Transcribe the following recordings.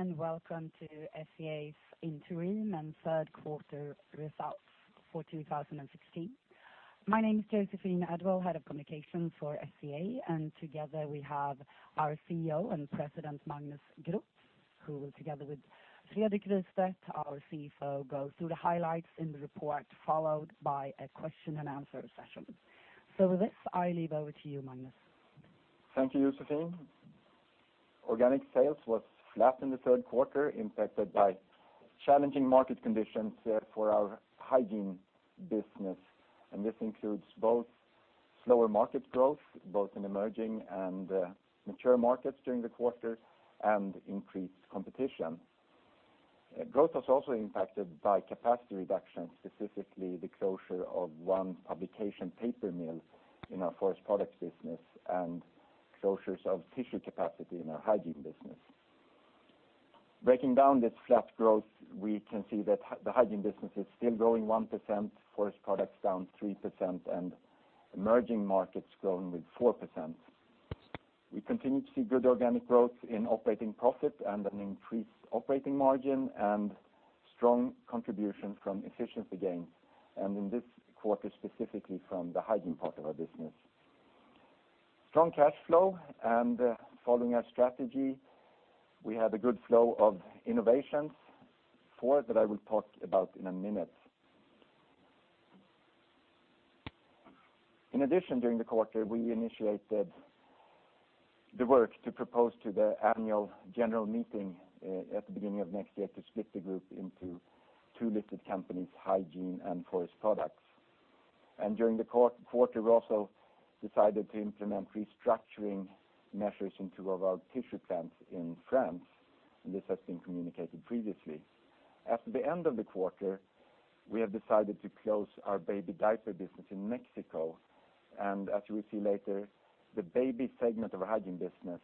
Hello, welcome to SCA's interim and third-quarter results for 2016. My name is Joséphine Edwall-Björklund, Head of Communications for SCA, and together we have our CEO and President, Magnus Groth, who will, together with Fredrik Rystedt, our CFO, go through the highlights in the report, followed by a question and answer session. With this, I leave over to you, Magnus. Thank you, Joséphine. Organic sales was flat in the third quarter, impacted by challenging market conditions for our Hygiene business. This includes both slower market growth, both in emerging and mature markets during the quarter, and increased competition. Growth was also impacted by capacity reductions, specifically the closure of one publication paper mill in our Forest Products business and closures of tissue capacity in our Hygiene business. Breaking down this flat growth, we can see that the Hygiene business is still growing 1%, Forest Products down 3%, and emerging markets growing with 4%. We continue to see good organic growth in operating profit and an increased operating margin and strong contribution from efficiency gains, and in this quarter, specifically from the Hygiene part of our business. Strong cash flow, following our strategy, we had a good flow of innovations. Four that I will talk about in a minute. In addition, during the quarter, we initiated the work to propose to the annual general meeting at the beginning of next year to split the group into two listed companies, Hygiene and Forest Products. During the quarter, we also decided to implement restructuring measures in two of our tissue plants in France, and this has been communicated previously. At the end of the quarter, we have decided to close our baby diaper business in Mexico, as you will see later, the baby segment of our Hygiene business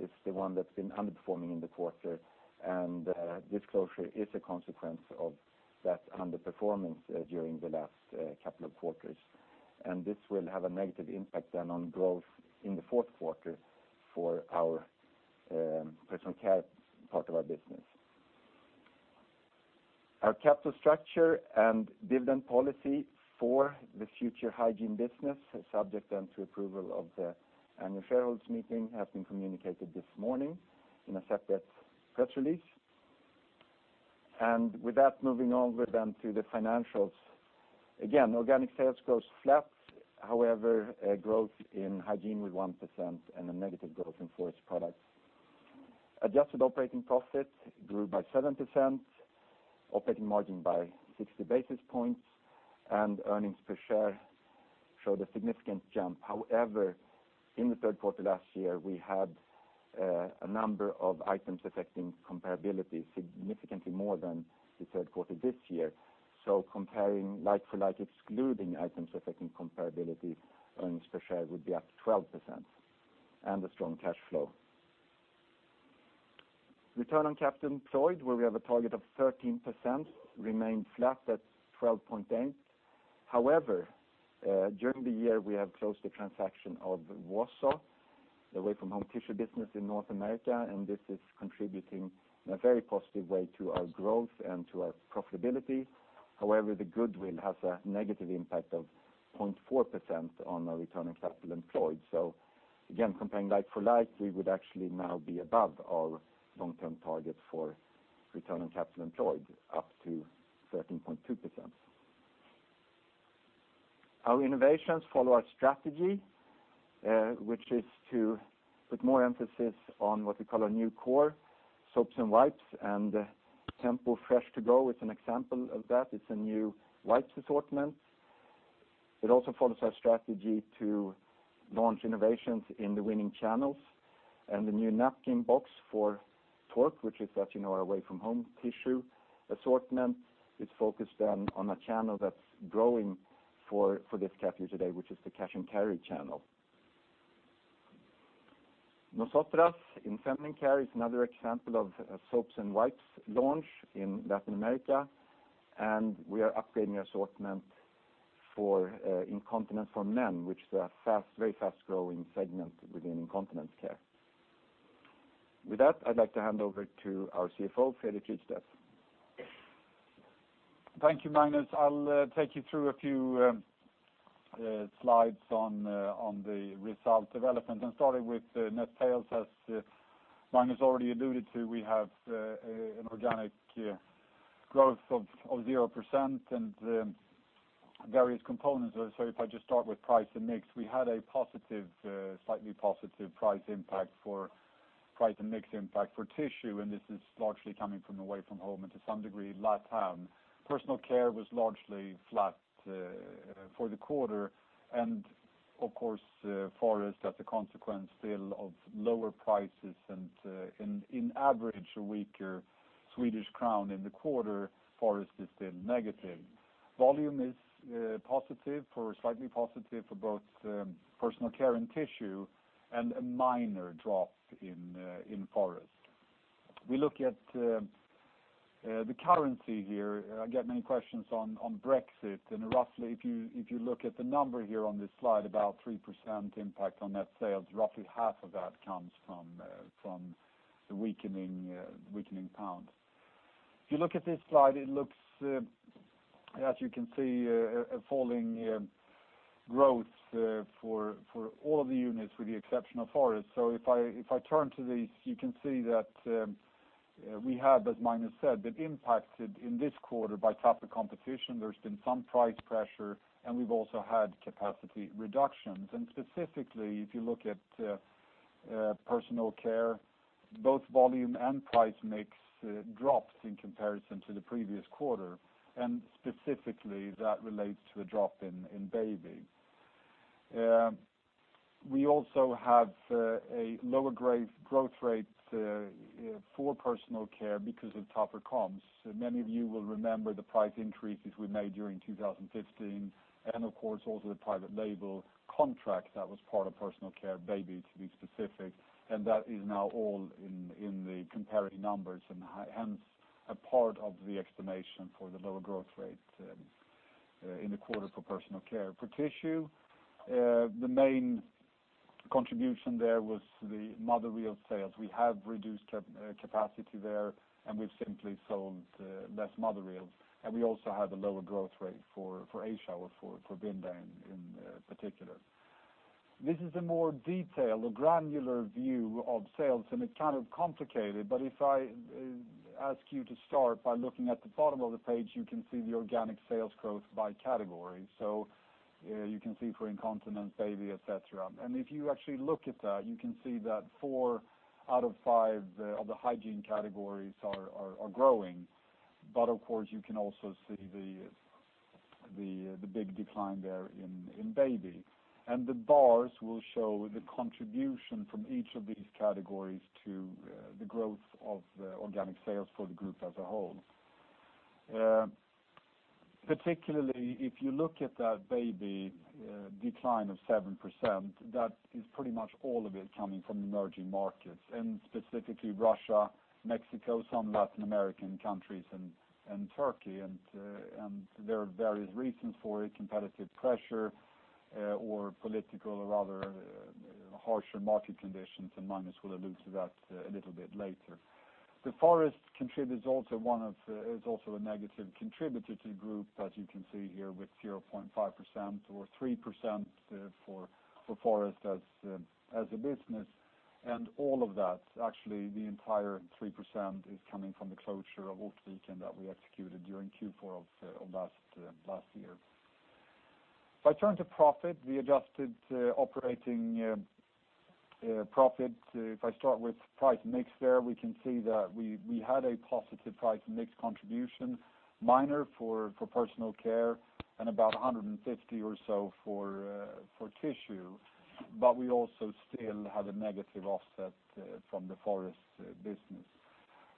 is the one that's been underperforming in the quarter, and this closure is a consequence of that underperformance during the last couple of quarters. This will have a negative impact then on growth in the fourth quarter for our Personal Care part of our business. Our capital structure and dividend policy for the future Hygiene business, subject then to approval of the annual shareholders meeting, has been communicated this morning in a separate press release. With that, moving over to the financials. Again, organic sales growth flat. However, growth in Hygiene with 1% and a negative growth in Forest Products. Adjusted operating profit grew by 7%, operating margin by 60 basis points, earnings per share showed a significant jump. However, in the third quarter last year, we had a number of items affecting comparability, significantly more than the third quarter this year. Comparing like-for-like, excluding items affecting comparability, earnings per share would be up 12%, a strong cash flow. Return on capital employed, where we have a target of 13%, remained flat at 12.8%. However, during the year, we have closed the transaction of Wausau, the away-from-home tissue business in North America, and this is contributing in a very positive way to our growth and to our profitability. However, the goodwill has a negative impact of 0.4% on our return on capital employed. Again, comparing like-for-like, we would actually now be above our long-term target for return on capital employed, up to 13.2%. Our innovations follow our strategy, which is to put more emphasis on what we call our new core, soaps and wipes, and Tempo Fresh To Go is an example of that. It's a new wipes assortment. It also follows our strategy to launch innovations in the winning channels, and the new napkin box for Tork, which is that away-from-home tissue assortment. It's focused then on a channel that's growing for this category today, which is the cash and carry channel. Nosotras in feminine care is another example of a soaps and wipes launch in Latin America. We are upgrading the assortment for incontinence for men, which is a very fast-growing segment within incontinence care. With that, I'd like to hand over to our CFO, Fredrik Rystedt. Thank you, Magnus. I'll take you through a few slides on the result development. Starting with the net sales, as Magnus already alluded to, we have an organic growth of 0% and various components. If I just start with price and mix, we had a slightly positive price and mix impact for Tissue, and this is largely coming from away from home and to some degree, LatAm. Personal Care was largely flat for the quarter. Of course, Forest, as a consequence still of lower prices and in average, a weaker Swedish crown in the quarter, Forest is still negative. Volume is positive or slightly positive for both Personal Care and Tissue, and a minor drop in Forest. We look at the currency here, I get many questions on Brexit. Roughly, if you look at the number here on this slide, about 3% impact on net sales, roughly half of that comes from the weakening GBP. If you look at this slide, it looks, as you can see, a falling growth for all of the units with the exception of Forest. If I turn to these, you can see that we have, as Magnus said, been impacted in this quarter by tougher competition. There's been some price pressure, and we've also had capacity reductions. Specifically, if you look at Personal Care, both volume and price mix drops in comparison to the previous quarter. Specifically, that relates to a drop in baby. We also have a lower growth rate for Personal Care because of tougher comps. Many of you will remember the price increases we made during 2015, and of course also the private label contract that was part of Personal Care, baby to be specific, and that is now all in the comparing numbers, and hence a part of the explanation for the lower growth rate in the quarter for Personal Care. For tissue, the main contribution there was the mother reel sales. We have reduced capacity there, and we've simply sold less mother reels, and we also had a lower growth rate for Asia or for Vinda in particular. This is a more detailed or granular view of sales, and it's kind of complicated, but if I ask you to start by looking at the bottom of the page, you can see the organic sales growth by category. You can see for incontinence, baby, et cetera. If you actually look at that, you can see that four out of five of the hygiene categories are growing. Of course, you can also see the big decline there in baby. The bars will show the contribution from each of these categories to the growth of the organic sales for the group as a whole. Particularly if you look at that baby decline of 7%, that is pretty much all of it coming from emerging markets, and specifically Russia, Mexico, some Latin American countries and Turkey. There are various reasons for it, competitive pressure or political or other harsher market conditions, and Magnus will allude to that a little bit later. The Forest is also a negative contributor to the group, as you can see here with 0.5% or 3% for Forest as a business. All of that, actually the entire 3%, is coming from the closure of Hultsfred that we executed during Q4 of last year. If I turn to profit, the adjusted operating profit, if I start with price mix there, we can see that we had a positive price mix contribution, minor for Personal Care and about 150 or so for tissue. We also still had a negative offset from the Forest business.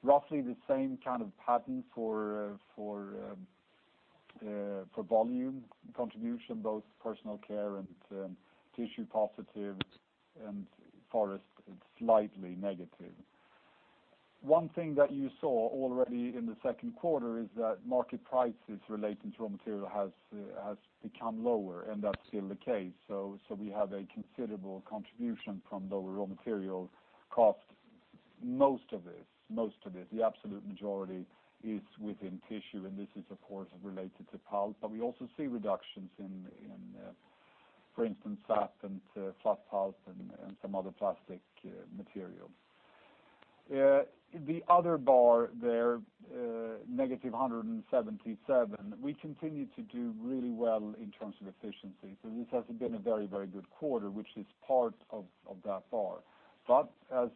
Roughly the same kind of pattern for volume contribution, both Personal Care and tissue positive, and Forest slightly negative. One thing that you saw already in the second quarter is that market prices relating to raw material has become lower, and that's still the case. We have a considerable contribution from lower raw material cost. Most of it, the absolute majority is within tissue, and this is of course related to pulp. We also see reductions in, for instance, SAP and fluff pulp and some other plastic material. The other bar there, negative 177, we continue to do really well in terms of efficiency. This has been a very, very good quarter, which is part of that bar. As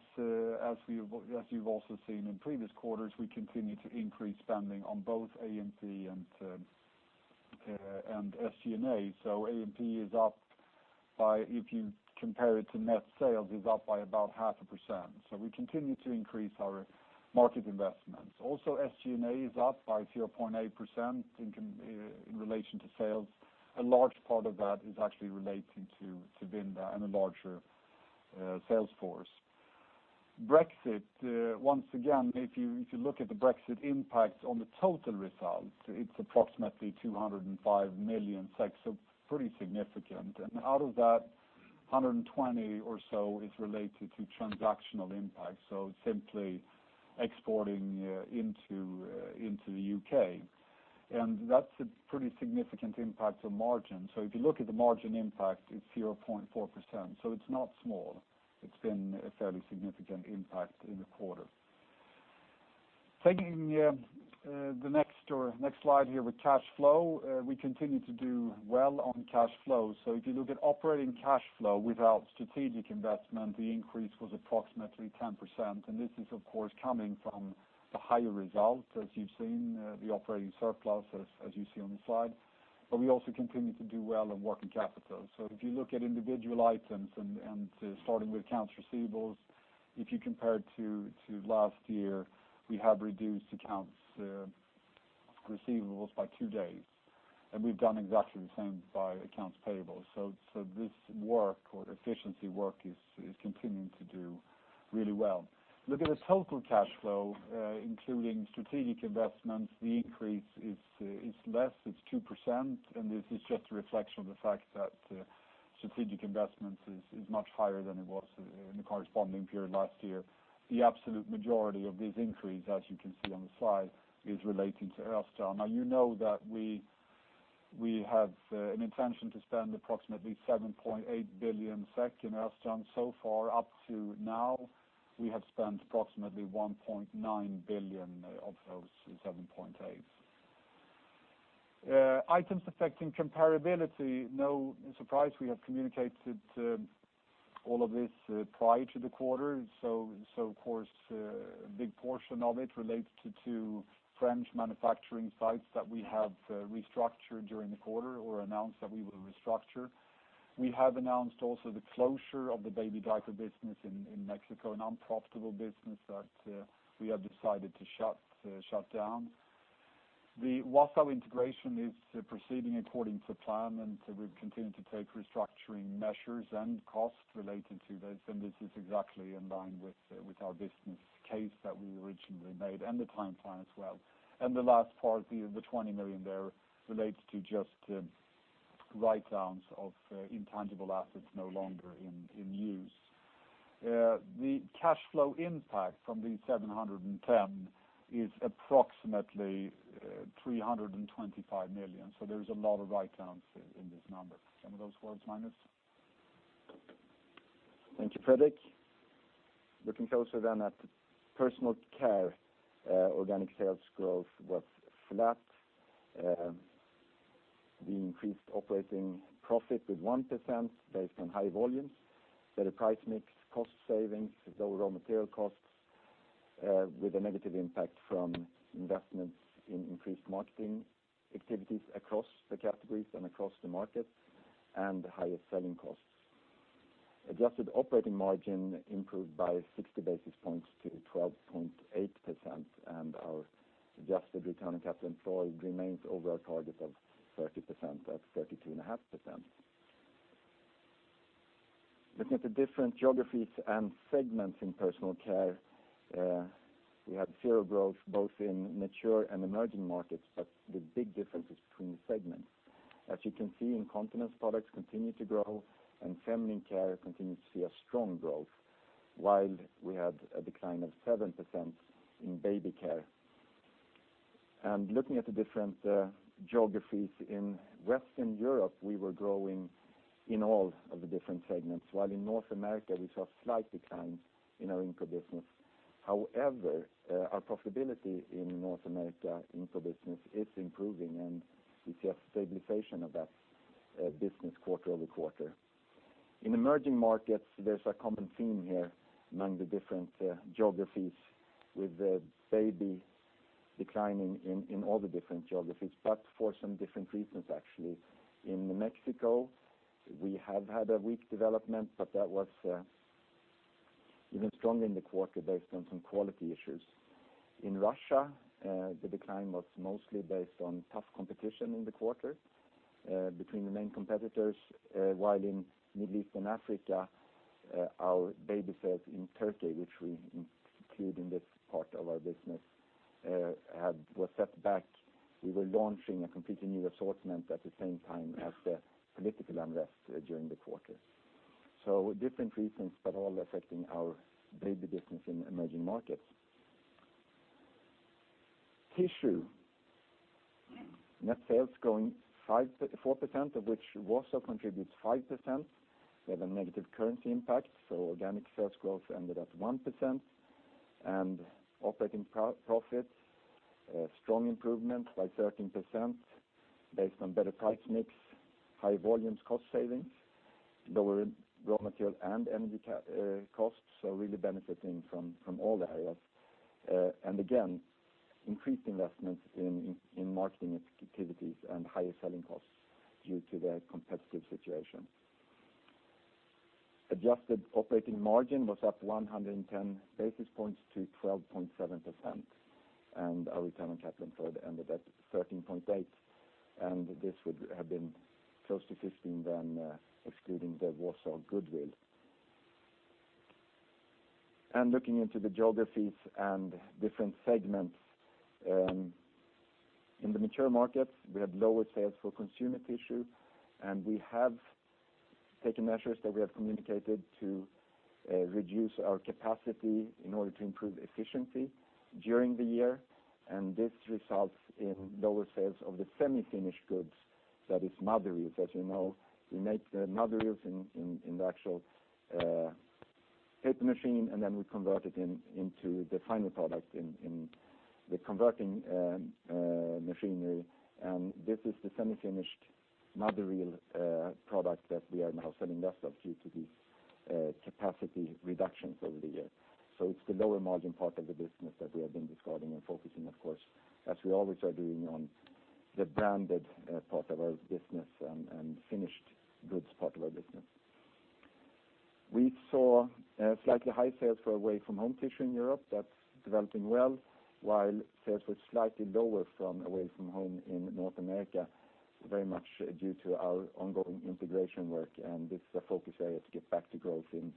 you've also seen in previous quarters, we continue to increase spending on both A&P and SG&A. A&P is up by, if you compare it to net sales, is up by about 0.5%. We continue to increase our market investments. SG&A is up by 0.8% in relation to sales. A large part of that is actually relating to Vinda and a larger sales force. Brexit, once again, if you look at the Brexit impact on the total result, it's approximately 205 million, so pretty significant. Out of that, 120 or so is related to transactional impact, so simply exporting into the U.K. That's a pretty significant impact on margin. If you look at the margin impact, it's 0.4%. It's not small. It's been a fairly significant impact in the quarter. Taking the next slide here with cash flow, we continue to do well on cash flow. If you look at operating cash flow without strategic investment, the increase was approximately 10%. This is of course coming from the higher results as you've seen, the operating surplus as you see on the slide. We also continue to do well on working capital. If you look at individual items and starting with accounts receivables, if you compare to last year, we have reduced accounts receivables by two days, and we've done exactly the same by accounts payable. This efficiency work is continuing to do really well. Look at the total cash flow, including strategic investments. The increase is less, it's 2%. This is just a reflection of the fact that strategic investments is much higher than it was in the corresponding period last year. The absolute majority of this increase, as you can see on the slide, is relating to Östrand. You know that we have an intention to spend approximately 7.8 billion SEK in Östrand. So far up to now, we have spent approximately 1.9 billion of those 7.8 billion. Items affecting comparability. No surprise, we have communicated all of this prior to the quarter. Of course, a big portion of it relates to two French manufacturing sites that we have restructured during the quarter or announced that we will restructure. We have announced also the closure of the baby diaper business in Mexico, an unprofitable business that we have decided to shut down. The Wausau integration is proceeding according to plan, and we've continued to take restructuring measures and costs related to this, and this is exactly in line with our business case that we originally made and the timeline as well. The last part, 20 million there relates to just write-downs of intangible assets no longer in use. The cash flow impact from these 710 is approximately 325 million. Thank you, Fredrik. Looking closer then at Personal Care. Organic sales growth was flat. We increased operating profit with 1% based on high volumes, better price mix, cost savings, lower raw material costs, with a negative impact from investments in increased marketing activities across the categories and across the markets, and higher selling costs. Adjusted operating margin improved by 60 basis points to 12.8%. Our adjusted return on capital employed remains over our target of 30% at 32.5%. Looking at the different geographies and segments in Personal Care, we had zero growth both in mature and emerging markets, but the big difference is between the segments. As you can see, incontinence products continue to grow, and feminine care continues to see a strong growth, while we had a decline of 7% in baby care. Looking at the different geographies, in Western Europe, we were growing in all of the different segments, while in North America, we saw slight declines in our Inco business. However, our profitability in North America Inco business is improving, and we see a stabilization of that business quarter-over-quarter. In emerging markets, there is a common theme here among the different geographies with the baby declining in all the different geographies, but for some different reasons, actually. In Mexico, we have had a weak development, but that was even stronger in the quarter based on some quality issues. In Russia, the decline was mostly based on tough competition in the quarter between the main competitors, while in Middle East and Africa, our baby sales in Turkey, which we include in this part of our business, was set back. We were launching a completely new assortment at the same time as the political unrest during the quarter. Different reasons, but all affecting our baby business in emerging markets. Tissue. Net sales growing 4%, of which Wausau contributes 5%. We have a negative currency impact, organic sales growth ended at 1%. Operating profit, strong improvement by 13% based on better price mix, high volumes cost savings, lower raw material and energy costs are really benefiting from all areas. Again, increased investments in marketing activities and higher selling costs due to the competitive situation. Adjusted operating margin was up 110 basis points to 12.7%, and our return on capital employed ended at 13.8%. This would have been close to 15% then excluding the Wausau goodwill. Looking into the geographies and different segments. In the mature markets, we had lower sales for consumer tissue. We have taken measures that we have communicated to reduce our capacity in order to improve efficiency during the year. This results in lower sales of the semi-finished goods. That is mother reels. As you know, we make mother reels in the actual paper machine, then we convert it into the final product in the converting machinery. This is the semi-finished mother reel product that we are now selling less of due to the capacity reductions over the year. It's the lower margin part of the business that we have been discarding and focusing, of course, as we always are doing on the branded part of our business and finished goods part of our business. We saw slightly high sales for away-from-home tissue in Europe. That's developing well. While sales were slightly lower from away-from-home in North America, very much due to our ongoing integration work. This is a focus area to get back to growth in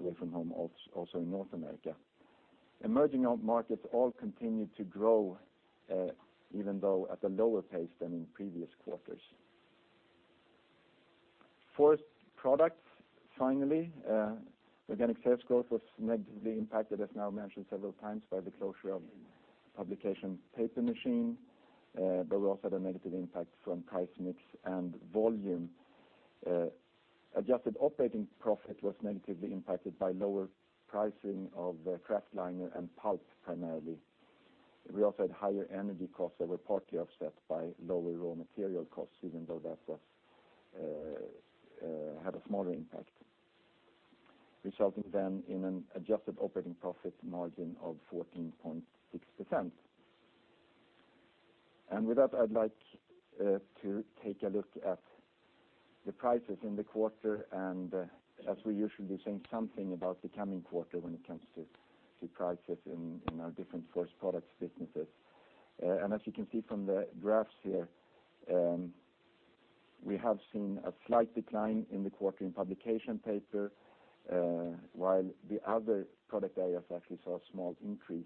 away-from-home, also in North America. Emerging markets all continued to grow, even though at a lower pace than in previous quarters. Forest Products, finally. Organic sales growth was negatively impacted, as now mentioned several times, by the closure of Publication paper machine. We also had a negative impact from price mix and volume. Adjusted operating profit was negatively impacted by lower pricing of kraftliner and pulp, primarily. We also had higher energy costs that were partly offset by lower raw material costs, even though that had a smaller impact, resulting then in an adjusted operating profit margin of 14.6%. With that, I'd like to take a look at the prices in the quarter, as we usually say something about the coming quarter when it comes to prices in our different Forest Products businesses. As you can see from the graphs here, we have seen a slight decline in the quarter in Publication paper, while the other product areas actually saw a small increase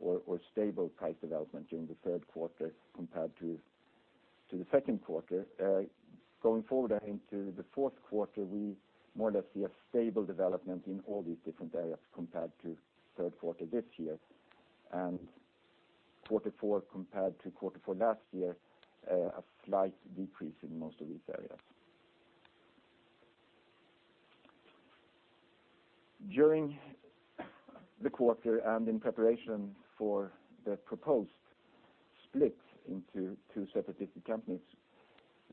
or stable price development during the third quarter compared to the second quarter. Going forward into the fourth quarter, we more or less see a stable development in all these different areas compared to third quarter this year, and quarter four compared to quarter four last year, a slight decrease in most of these areas. During the quarter, in preparation for the proposed split into two separate different companies,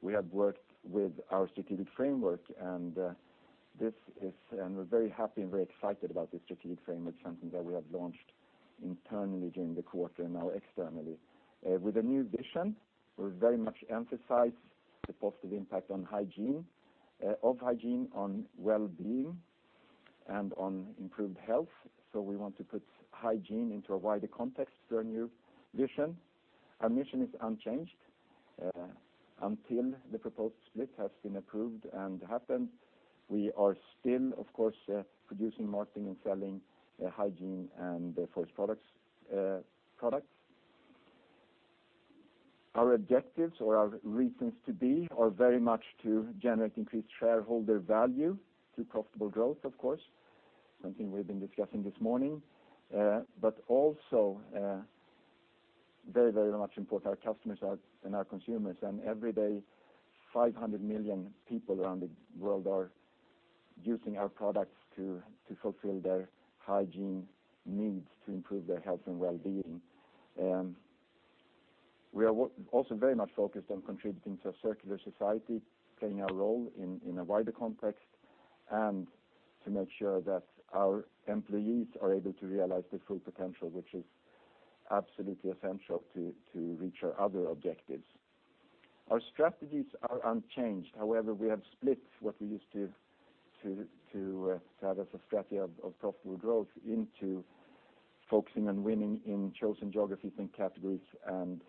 we have worked with our strategic framework, and we're very happy and very excited about this strategic framework, something that we have launched internally during the quarter and now externally. With a new vision, we very much emphasize the positive impact of hygiene on well-being and on improved health. We want to put hygiene into a wider context for our new vision. Our mission is unchanged until the proposed split has been approved and happened. We are still, of course, producing, marketing, and selling hygiene and Forest Products. Our objectives or our reasons to be are very much to generate increased shareholder value through profitable growth, of course, something we've been discussing this morning. Also very much important, our customers and our consumers, and every day 500 million people around the world are using our products to fulfill their hygiene needs to improve their health and well-being. We are also very much focused on contributing to a circular society, playing a role in a wider context, and to make sure that our employees are able to realize their full potential, which is absolutely essential to reach our other objectives. Our strategies are unchanged. However, we have split what we used to have as a strategy of profitable growth into focusing on winning in chosen geographies and categories and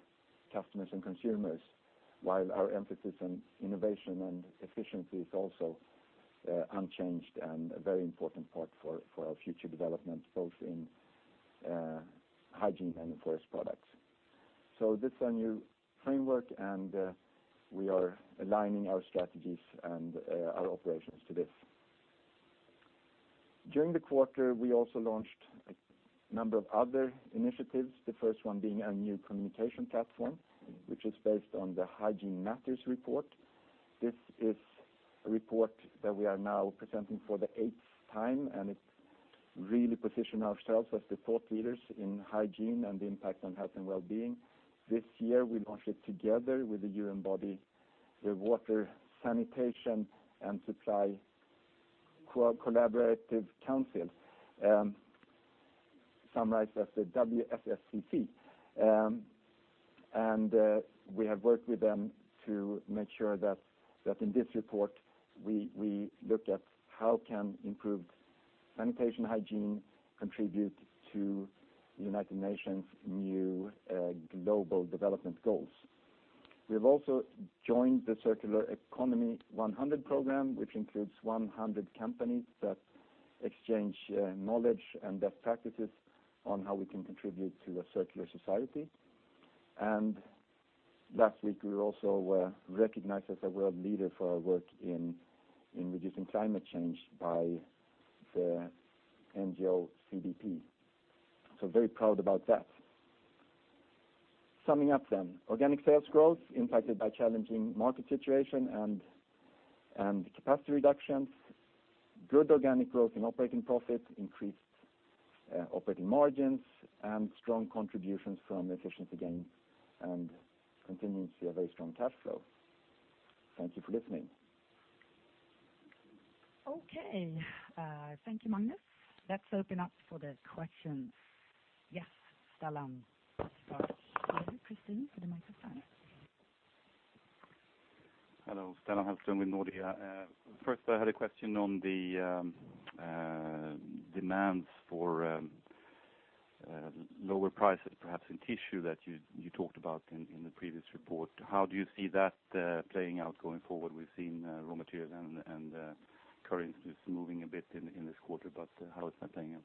customers and consumers. While our emphasis on innovation and efficiency is also unchanged and a very important part for our future development, both in Hygiene and Forest Products. This is our new framework, and we are aligning our strategies and our operations to this. During the quarter, we also launched a number of other initiatives, the first one being our new communication platform, which is based on the Hygiene Matters report. This is a report that we are now presenting for the eighth time, and it really positions ourselves as the thought leaders in hygiene and the impact on health and well-being. This year, we launched it together with the UN body, the Water Supply and Sanitation Collaborative Council, summarized as the WSSCC. We have worked with them to make sure that in this report we looked at how can improved sanitation hygiene contribute to the United Nations' new global development goals. We have also joined the Circular Economy 100 program, which includes 100 companies that exchange knowledge and best practices on how we can contribute to a circular society. Last week, we were also recognized as a world leader for our work in reducing climate change by the NGO CDP. Very proud about that. Summing up, organic sales growth impacted by challenging market situation and capacity reductions, good organic growth in operating profit, increased operating margins, and strong contributions from efficiency gains, and continuing to see a very strong cash flow. Thank you for listening. Okay. Thank you, Magnus. Let's open up for the questions. Yes, Salam. Over to Christine for the microphone. Hello. Sten Halvström with Nordea. First I had a question on the demands for lower prices, perhaps in tissue that you talked about in the previous report. How do you see that playing out going forward? We've seen raw materials and currencies moving a bit in this quarter, how is that playing in?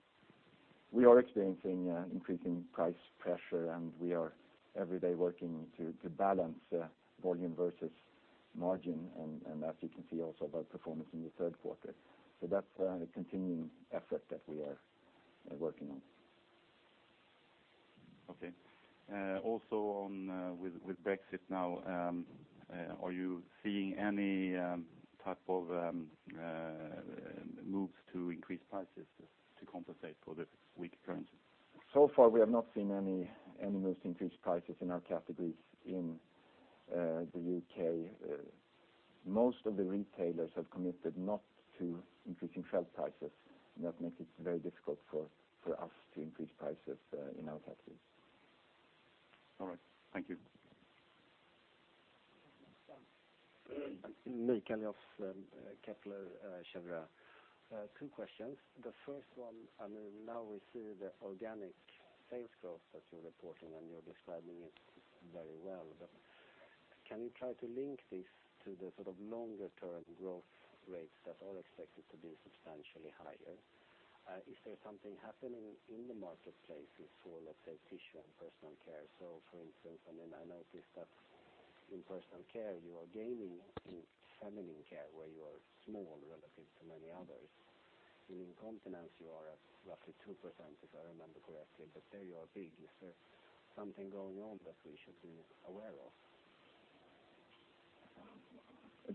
We are experiencing increasing price pressure, and we are every day working to balance volume versus margin, and as you can see also about performance in the third quarter. That's a continuing effort that we are working on. Okay. Also with Brexit now, are you seeing any type of moves to increase prices to compensate for the weak currency? So far we have not seen any moves to increase prices in our categories in the U.K. Most of the retailers have committed not to increasing shelf prices, that makes it very difficult for us to increase prices in our categories. All right. Thank you. Mikael of Kepler Cheuvreux. Two questions. The first one, now we see the organic sales growth that you're reporting. You're describing it very well. Can you try to link this to the sort of longer-term growth rates that are expected to be substantially higher? Is there something happening in the marketplace for, let's say, tissue and Personal Care? For instance, I noticed that in Personal Care, you are gaining in feminine care where you are small relative to many others. In incontinence, you are at roughly 2%, if I remember correctly. There you are big. Is there something going on that we should be aware of?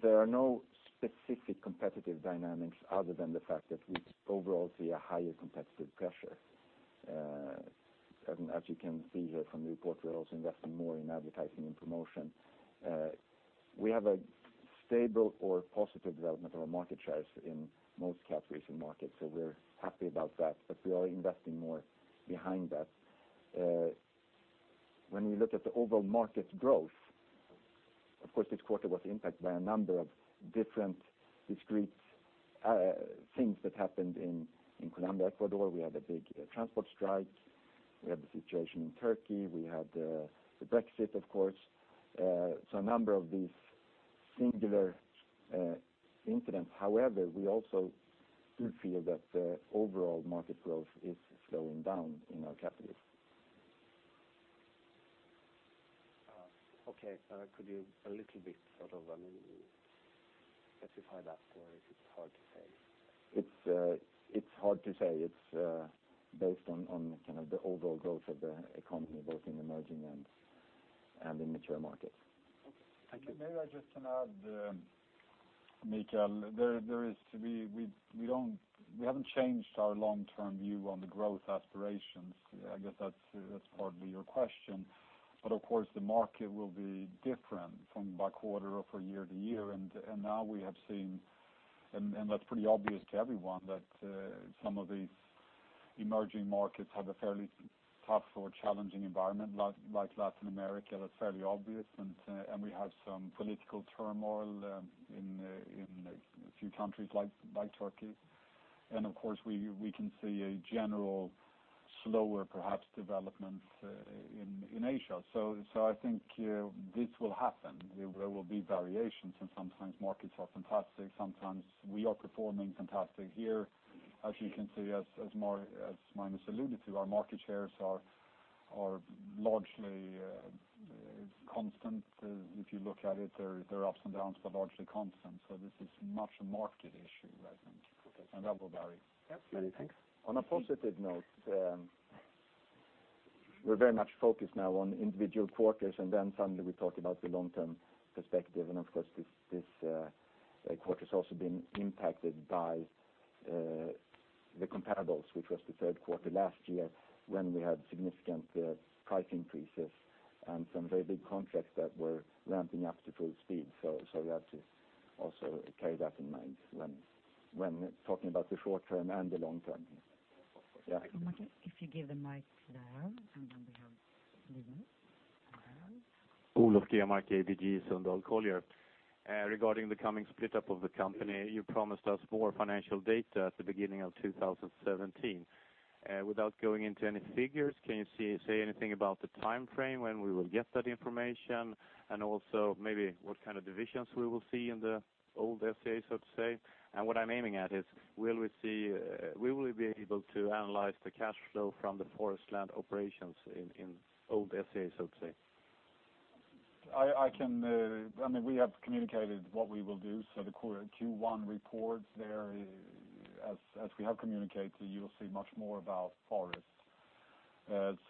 There are no specific competitive dynamics other than the fact that we overall see a higher competitive pressure. As you can see here from the report, we are also investing more in advertising and promotion. We have a stable or positive development of our market shares in most categories and markets, so we're happy about that, but we are investing more behind that. When we look at the overall market growth, of course, this quarter was impacted by a number of different discrete things that happened in Colombia, Ecuador. We had a big transport strike. We had the situation in Turkey. We had the Brexit, of course. A number of these singular incidents. However, we also do feel that the overall market growth is slowing down in our categories. Okay. Could you a little bit specify that, or is it hard to say? It's hard to say. It's based on the overall growth of the economy, both in emerging and in mature markets. Okay. Thank you. Maybe I just can add, Mikael. We haven't changed our long-term view on the growth aspirations. I guess that's partly your question. Of course, the market will be different from by quarter or for year to year. Now we have seen, and that's pretty obvious to everyone, that some of these emerging markets have a fairly tough or challenging environment, like Latin America, that's fairly obvious. We have some political turmoil in a few countries like Turkey. Of course, we can see a general slower perhaps development in Asia. I think this will happen. There will be variations, and sometimes markets are fantastic, sometimes we are performing fantastic here. As you can see, as Magnus alluded to, our market shares are largely constant. If you look at it, there are ups and downs, but largely constant. This is much a market issue, I think. Okay. That will vary. Yeah. Thanks. On a positive note, we're very much focused now on individual quarters, then suddenly we talk about the long-term perspective. Of course, this quarter's also been impacted by the comparables, which was the third quarter last year when we had significant price increases and some very big contracts that were ramping up to full speed. We have to also carry that in mind when talking about the short term and the long term. Of course. If you give the mic to Lars, and then we have Liv. Olof Gamard, ABG Sundal Collier. Regarding the coming split up of the company, you promised us more financial data at the beginning of 2017. Without going into any figures, can you say anything about the timeframe when we will get that information? Also maybe what kind of divisions we will see in the old SCA, so to say? What I'm aiming at is, will we be able to analyze the cash flow from the Forest land operations in old SCA, so to say? We have communicated what we will do. The Q1 reports there, as we have communicated, you will see much more about Forests.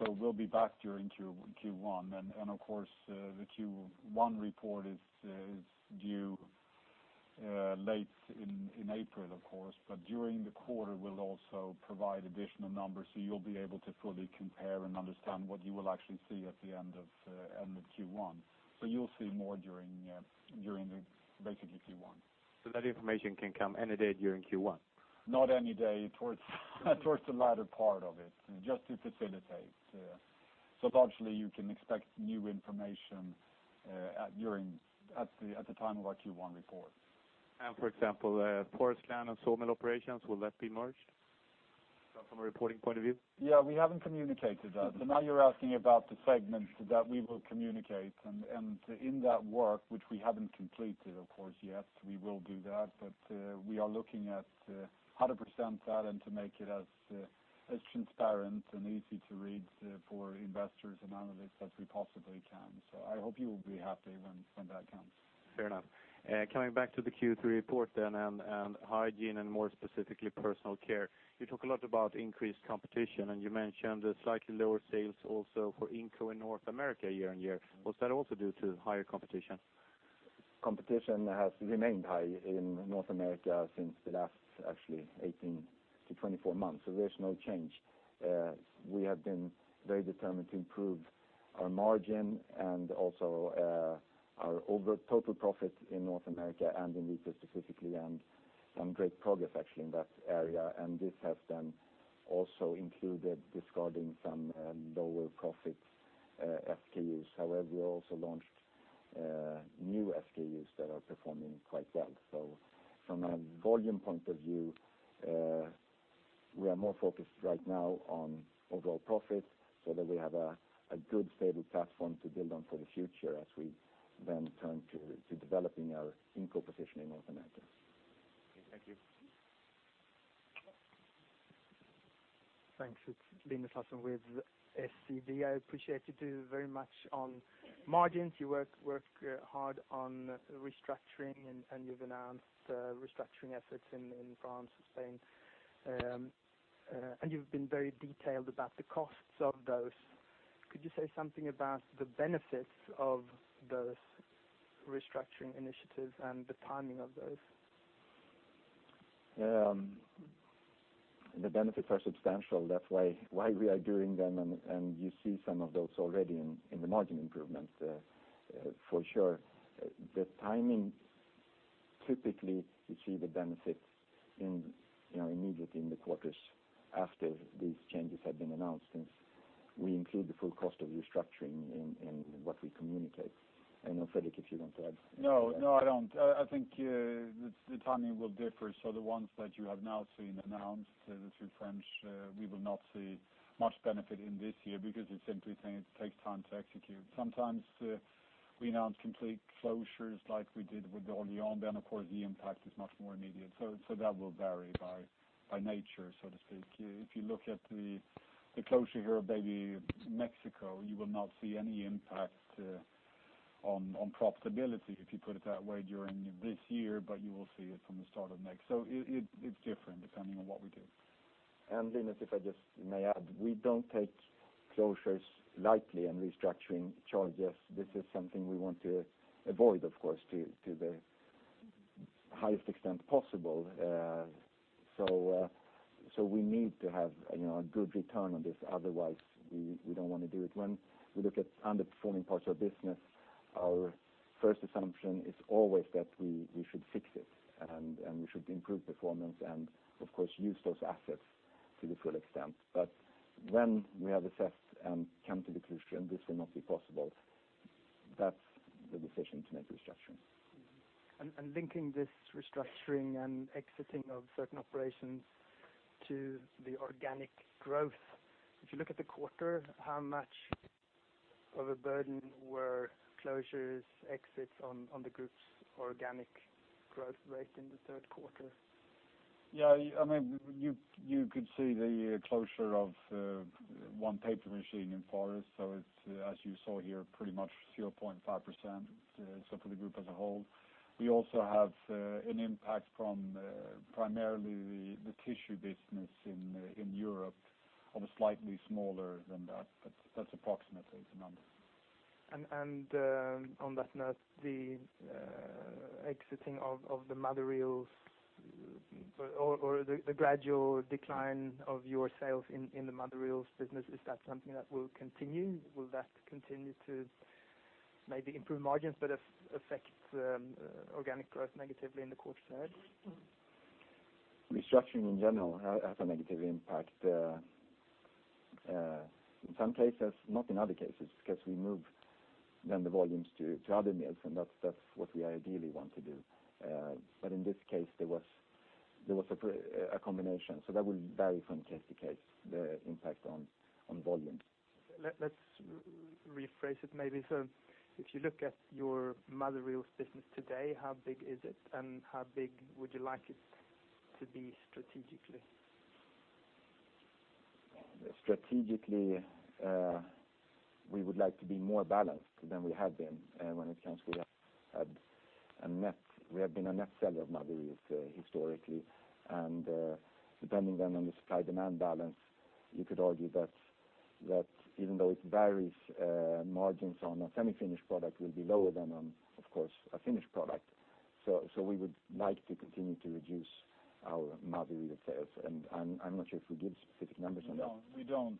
We'll be back during Q1. Of course, the Q1 report is due late in April, of course, but during the quarter, we'll also provide additional numbers, so you'll be able to fully compare and understand what you will actually see at the end of Q1. You'll see more during the first quarter. Basically Q1. That information can come any day during Q1? Not any day, towards the latter part of it, just to facilitate. Largely you can expect new information at the time of our Q1 report. For example, [Forest can] and sawmill operations, will that be merged from a reporting point of view? We haven't communicated that. Now you're asking about the segment that we will communicate, and in that work, which we haven't completed, of course, yet, we will do that. We are looking at how to present that and to make it as transparent and easy to read for investors and analysts as we possibly can. I hope you will be happy when that comes. Fair enough. Coming back to the Q3 report, and Hygiene and more specifically Personal Care. You talk a lot about increased competition, and you mentioned slightly lower sales also for Inco in North America year-on-year. Was that also due to higher competition? Competition has remained high in North America since the last actually 18-24 months. There's no change. We have been very determined to improve our margin and also our overall total profit in North America and in Inco specifically, and some great progress actually in that area. This has then also included discarding some lower profit SKUs. However, we also launched new SKUs that are performing quite well. From a volume point of view, we are more focused right now on overall profit so that we have a good, stable platform to build on for the future as we then turn to developing our Inco position in North America. Okay, thank you. Thanks. It's Linus Larsson with SEB. I appreciate you two very much on margins. You work hard on restructuring, and you've announced restructuring efforts in France and Spain. You've been very detailed about the costs of those. Could you say something about the benefits of those restructuring initiatives and the timing of those? The benefits are substantial. That's why we are doing them, and you see some of those already in the margin improvement for sure. The timing, typically, you see the benefits immediately in the quarters after these changes have been announced, since we include the full cost of restructuring in what we communicate. I know, Fredrik, if you want to add to that. No, I don't. I think the timing will differ. The ones that you have now seen announced, the two French, we will not see much benefit in this year because it's simply saying it takes time to execute. Sometimes we announce complete closures like we did with Orléans, then of course the impact is much more immediate. That will vary by nature, so to speak. If you look at the closure here of baby Mexico, you will not see any impact on profitability, if you put it that way, during this year, but you will see it from the start of next. It's different depending on what we do. Linus, if I just may add, we don't take closures lightly and restructuring charges. This is something we want to avoid, of course, to the highest extent possible. We need to have a good return on this, otherwise we don't want to do it. When we look at underperforming parts of our business, our first assumption is always that we should fix it, and we should improve performance and of course, use those assets to the full extent. When we have assessed and come to the conclusion this will not be possible, that's the decision to make a restructuring. Linking this restructuring and exiting of certain operations to the organic growth. If you look at the quarter, how much of a burden were closures, exits on the group's organic growth rate in the third quarter? Yeah, you could see the closure of one paper machine in Forest. It's, as you saw here, pretty much 0.5%, for the group as a whole. We also have an impact from primarily the tissue business in Europe of a slightly smaller than that's approximately the numbers. On that note, the exiting of the mother reels or the gradual decline of your sales in the mother reels business, is that something that will continue? Will that continue to maybe improve margins but affect organic growth negatively in the quarters ahead? Restructuring, in general, has a negative impact in some cases, not in other cases, because we moved then the volumes to other mills, that's what we ideally want to do. In this case, there was a combination. That will vary from case to case, the impact on volume. Let's rephrase it maybe. If you look at your mother reels business today, how big is it, and how big would you like it to be strategically? Strategically, we would like to be more balanced than we have been when it comes to the net. We have been a net seller of mother reels historically, and depending then on the supply-demand balance, you could argue that even though it varies, margins on a semi-finished product will be lower than on, of course, a finished product. We would like to continue to reduce our mother reel sales, and I am not sure if we give specific numbers on that. No, we don't,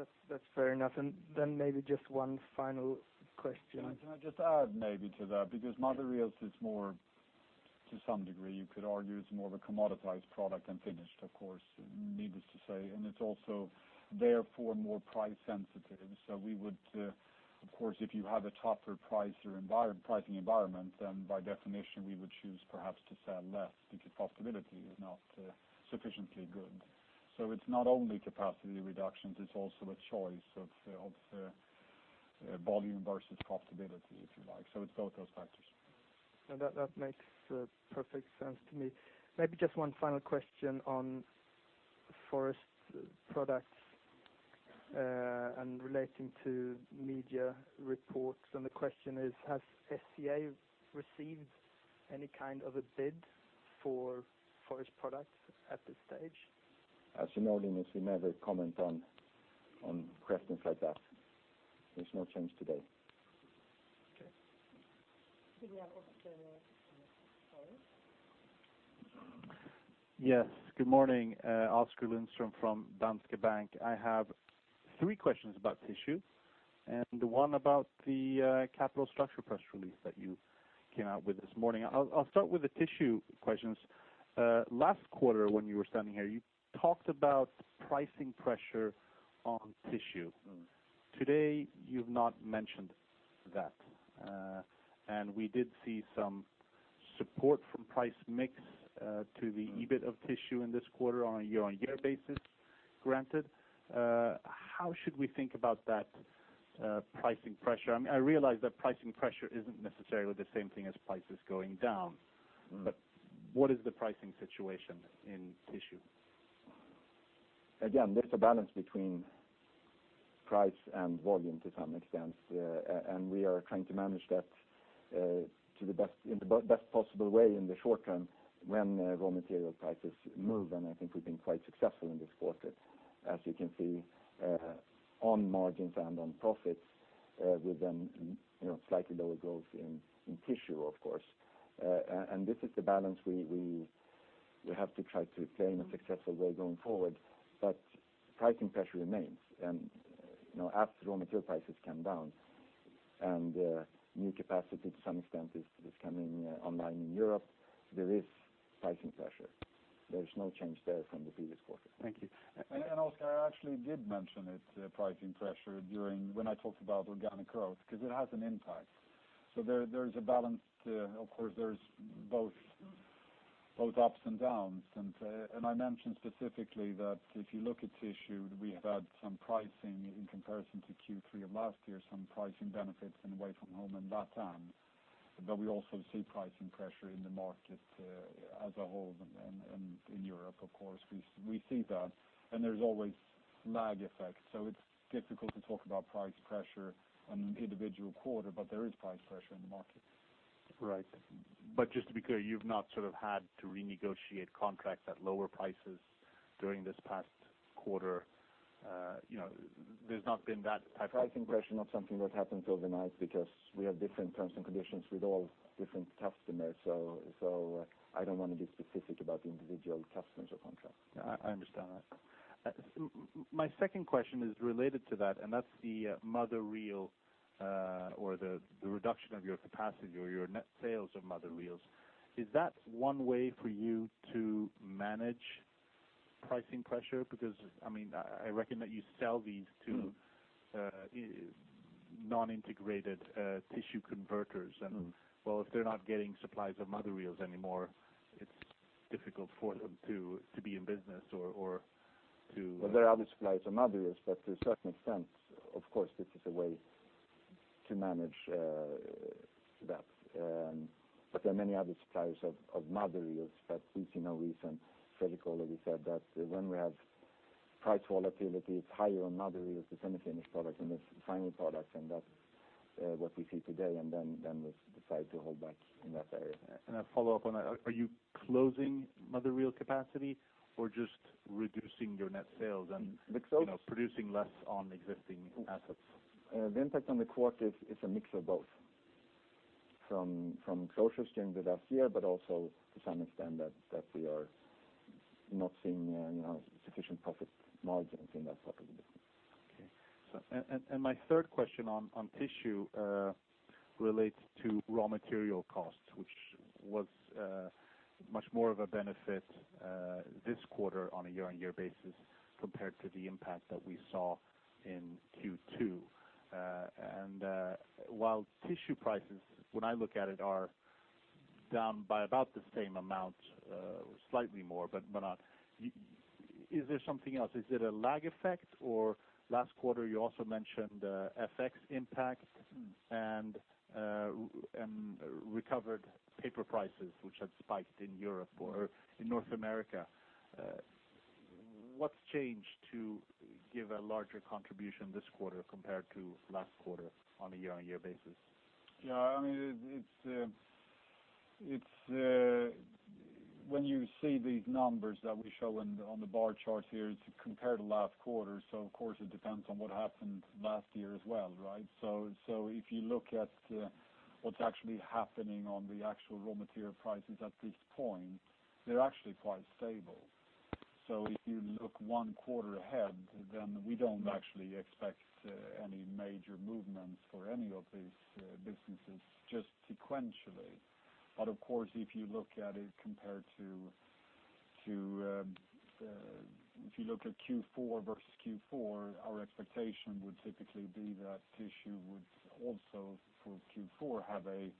Linus. That's fair enough. Then maybe just one final question. Can I just add maybe to that? Because mother reels, to some degree, you could argue it's more of a commoditized product than finished, of course, needless to say, and it's also therefore more price sensitive. We would, of course, if you have a tougher pricing environment, then by definition, we would choose perhaps to sell less if profitability is not sufficiently good. It's not only capacity reductions, it's also a choice of volume versus profitability, if you like. It's both those factors. No, that makes perfect sense to me. Maybe just one final question on Forest products and relating to media reports. The question is: Has SCA received any kind of a bid for Forest products at this stage? As you know, Linus, we never comment on questions like that. There's no change today. Okay. We have Oskar Lindström. Yes. Good morning. Oskar Lindström from Danske Bank. I have three questions about Tissue and one about the capital structure press release that you came out with this morning. I'll start with the Tissue questions. Last quarter, when you were standing here, you talked about pricing pressure on Tissue. Today, you've not mentioned that. We did see some support from price mix to the. EBIT of Tissue in this quarter on a year-on-year basis, granted. How should we think about that pricing pressure? I realize that pricing pressure isn't necessarily the same thing as prices going down. What is the pricing situation in Tissue? Again, there's a balance between price and volume to some extent, and we are trying to manage that, in the best possible way in the short term when raw material prices move. I think we've been quite successful in this quarter, as you can see on margins and on profits with slightly lower growth in Tissue, of course. This is the balance we have to try to maintain a successful way going forward. Pricing pressure remains. As raw material prices come down and new capacity to some extent is coming online in Europe, there is pricing pressure. There is no change there from the previous quarter. Thank you. Oskar, I actually did mention it, pricing pressure, when I talked about organic growth, because it has an impact. There is a balance. Of course, there's both ups and downs. I mentioned specifically that if you look at Tissue, we have had some pricing in comparison to Q3 of last year, some pricing benefits in away from home and LATAM. We also see pricing pressure in the market as a whole and in Europe, of course. We see that, and there's always lag effects. It's difficult to talk about price pressure on an individual quarter, but there is price pressure in the market. Right. Just to be clear, you've not sort of had to renegotiate contracts at lower prices during this past quarter. There's not been that type of. Pricing pressure is not something that happens overnight because we have different terms and conditions with all different customers, so I don't want to be specific about the individual customers or contracts. I understand that. My second question is related to that, and that's the mother reel or the reduction of your capacity or your net sales of mother reels. Is that one way for you to manage pricing pressure? I reckon that you sell these to non-integrated Tissue converters. Well, if they're not getting supplies of mother reels anymore, it's difficult for them to be in business or to- Well, there are other suppliers of mother reels, but to a certain extent, of course, this is a way to manage that. There are many other suppliers of mother reels. We see no reason, Fredrik already said that when we have price volatility, it's higher on mother reels than it is in the final products, that's what we see today, we decide to hold back in that area. Can I follow up on that? Are you closing mother reel capacity or just reducing your net sales? Mix those? producing less on existing assets? The impact on the quarter is a mix of both. From closures during the last year, but also to some extent that we are not seeing sufficient profit margins in that part of the business. Okay. My third question on Tissue relates to raw material costs, which was much more of a benefit this quarter on a year-on-year basis compared to the impact that we saw in Q2. While Tissue prices, when I look at it, are down by about the same amount, slightly more. Is there something else? Is it a lag effect? Last quarter you also mentioned FX impact- Recovered paper prices, which had spiked in Europe or in North America. What's changed to give a larger contribution this quarter compared to last quarter on a year-on-year basis? When you see these numbers that we show on the bar chart here, it's compared to last quarter, of course it depends on what happened last year as well, right? If you look at what's actually happening on the actual raw material prices at this point, they're actually quite stable. If you look one quarter ahead, we don't actually expect any major movements for any of these businesses, just sequentially. Of course, if you look at Q4 versus Q4, our expectation would typically be that Tissue would also, for Q4, have a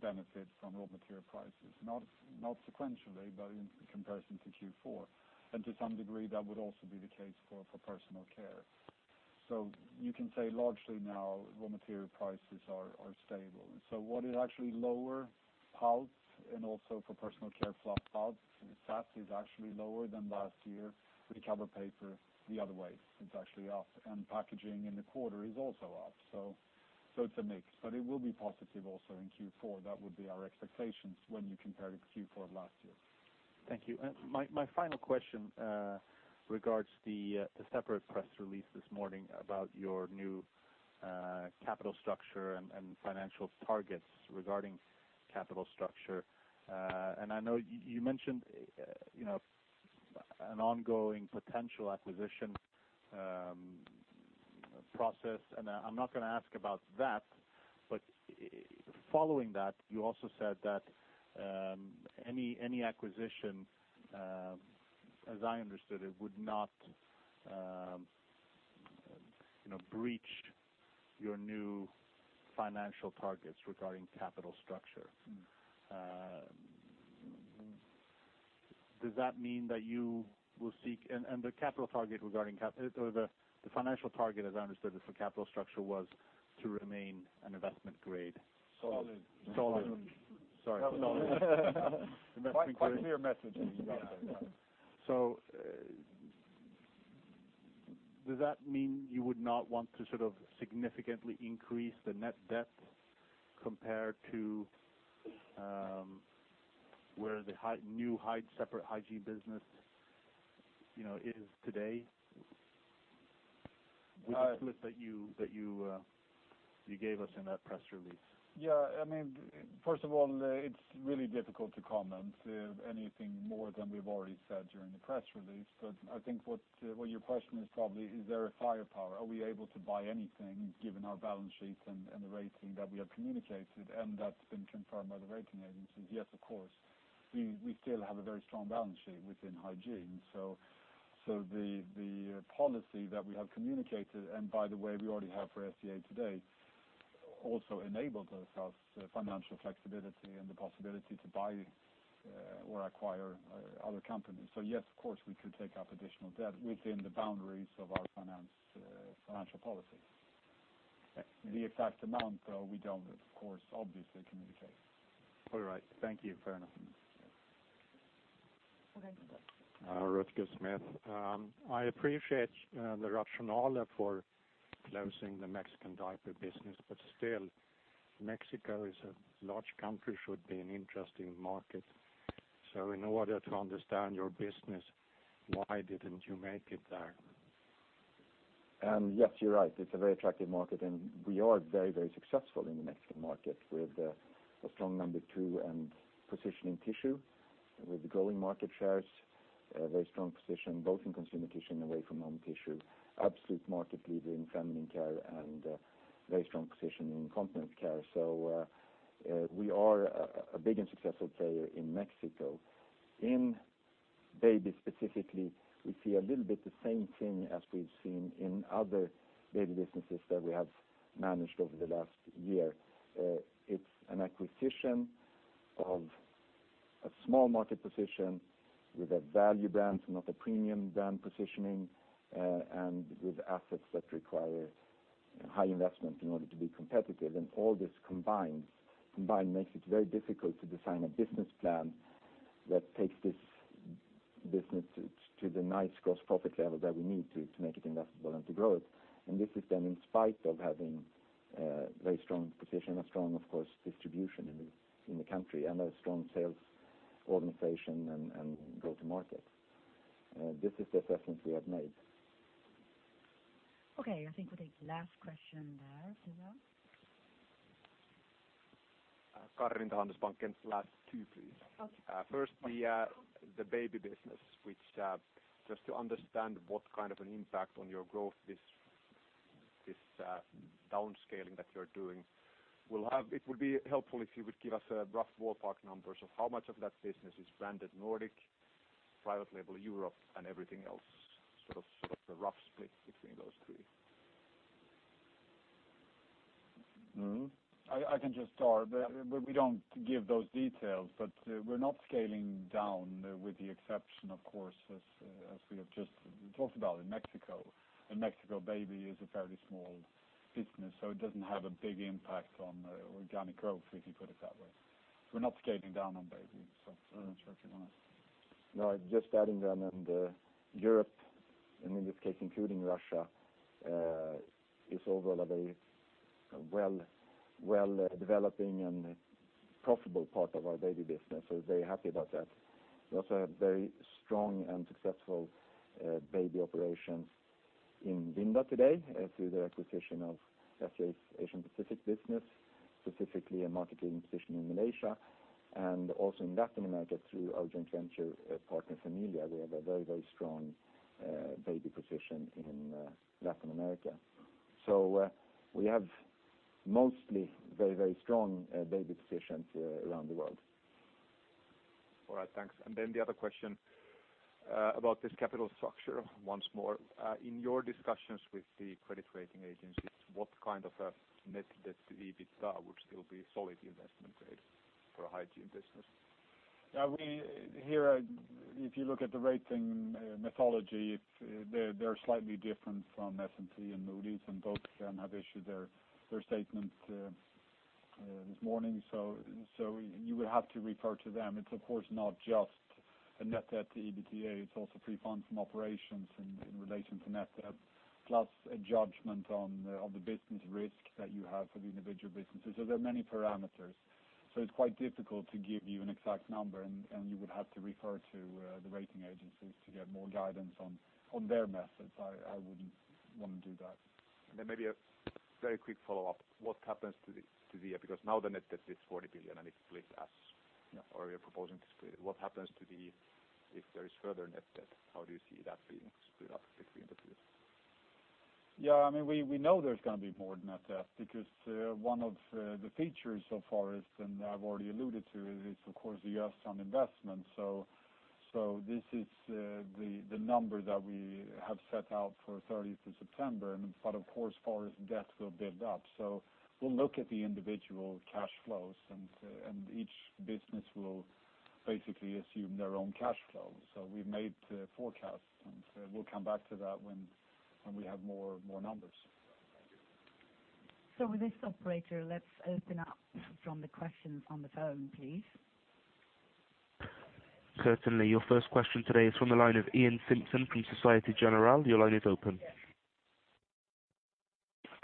benefit from raw material prices, not sequentially, but in comparison to Q4. To some degree, that would also be the case for Personal Care. You can say largely now raw material prices are stable. What is actually lower, pulp, and also for Personal Care fluff pulp. SAP is actually lower than last year. Recovered paper, the other way, it's actually up. Packaging in the quarter is also up. It's a mix. It will be positive also in Q4. That would be our expectations when you compare it to Q4 of last year. Thank you. My final question regards the separate press release this morning about your new capital structure and financial targets regarding capital structure. I know you mentioned an ongoing potential acquisition process, and I am not going to ask about that. Following that, you also said that any acquisition, as I understood it, would not breach your new financial targets regarding capital structure. The financial target, as I understood it, for capital structure was to remain an investment grade. Solid. Solid. Sorry. Quite a clear message when you got that. Does that mean you would not want to significantly increase the net debt compared to where the new separate hygiene business is today? With the split that you gave us in that press release. First of all, it's really difficult to comment anything more than we've already said during the press release. I think what your question is probably, is there a firepower? Are we able to buy anything given our balance sheets and the rating that we have communicated, and that's been confirmed by the rating agencies? Yes, of course. We still have a very strong balance sheet within hygiene. The policy that we have communicated, and by the way, we already have for SCA today, also enables us financial flexibility and the possibility to buy or acquire other companies. Yes, of course, we could take up additional debt within the boundaries of our financial policy. The exact amount, we don't, of course, obviously communicate. All right. Thank you, Fair enough. Okay. Rutger Smith. I appreciate the rationale for closing the Mexican diaper business, but still, Mexico is a large country, should be an interesting market. In order to understand your business, why didn't you make it there? Yes, you're right. It's a very attractive market. We are very successful in the Mexican market with a strong number two and positioning Tissue with growing market shares, a very strong position both in consumer Tissue and away-from-home Tissue, absolute market leader in feminine care, and a very strong position in incontinence care. We are a big and successful player in Mexico. In baby specifically, we see a little bit the same thing as we've seen in other baby businesses that we have managed over the last year. It's an acquisition of a small market position with a value brand, not a premium brand positioning, and with assets that require high investment in order to be competitive. All this combined makes it very difficult to design a business plan that takes this business to the nice gross profit level that we need to make it investable and to grow it. This is done in spite of having a very strong position, a strong, of course, distribution in the country, and a strong sales organization and go-to market. This is the assessment we have made. Okay. I think we'll take the last question there. Karin from Handelsbanken. Last two, please. Okay. First, the baby business. Just to understand what kind of an impact on your growth this downscaling that you are doing will have, it would be helpful if you would give us rough ballpark numbers of how much of that business is branded Nordic, private label Europe, and everything else. Sort of a rough split between those three. I can just start. We do not give those details, we are not scaling down with the exception, of course, as we have just talked about in Mexico. In Mexico, baby is a fairly small business, so it does not have a big impact on organic growth, if you put it that way. We are not scaling down on baby. I do not know, Sven, if you want to No, just adding, Europe, and in this case, including Russia, is overall a very well developing and profitable part of our baby business. We are very happy about that. We also have very strong and successful baby operations In Vinda today, through the acquisition of SCA's Asia Pacific business, specifically a marketing position in Malaysia, and also in Latin America, through our joint venture partner, Familia. We have a very strong baby position in Latin America. We have mostly very strong baby positions around the world. The other question about this capital structure, once more. In your discussions with the credit rating agencies, what kind of a net debt to EBITDA would still be solid investment grade for a hygiene business? If you look at the rating methodology, they're slightly different from S&P and Moody's, and both of them have issued their statements this morning. You would have to refer to them. It's, of course, not just the net debt to EBITDA, it's also free funds from operations in relation to net debt, plus a judgment on the business risk that you have for the individual businesses. There are many parameters. It's quite difficult to give you an exact number, and you would have to refer to the rating agencies to get more guidance on their methods. I wouldn't want to do that. Maybe a very quick follow-up. What happens to the year? Because now the net debt is 40 billion, and it splits as-- Yeah. You're proposing to split it. What happens if there is further net debt, how do you see that being split up between the two? Yeah, we know there's going to be more net debt because one of the features of Forest, and I've already alluded to, is of course, the U.S. investment. This is the number that we have set out for 30th of September. Forest debt will build up. We'll look at the individual cash flows, and each business will basically assume their own cash flow. We've made forecasts, and we'll come back to that when we have more numbers. Thank you. With this, operator, let's open up from the questions on the phone, please. Certainly. Your first question today is from the line of Iain Simpson from Société Générale. Your line is open.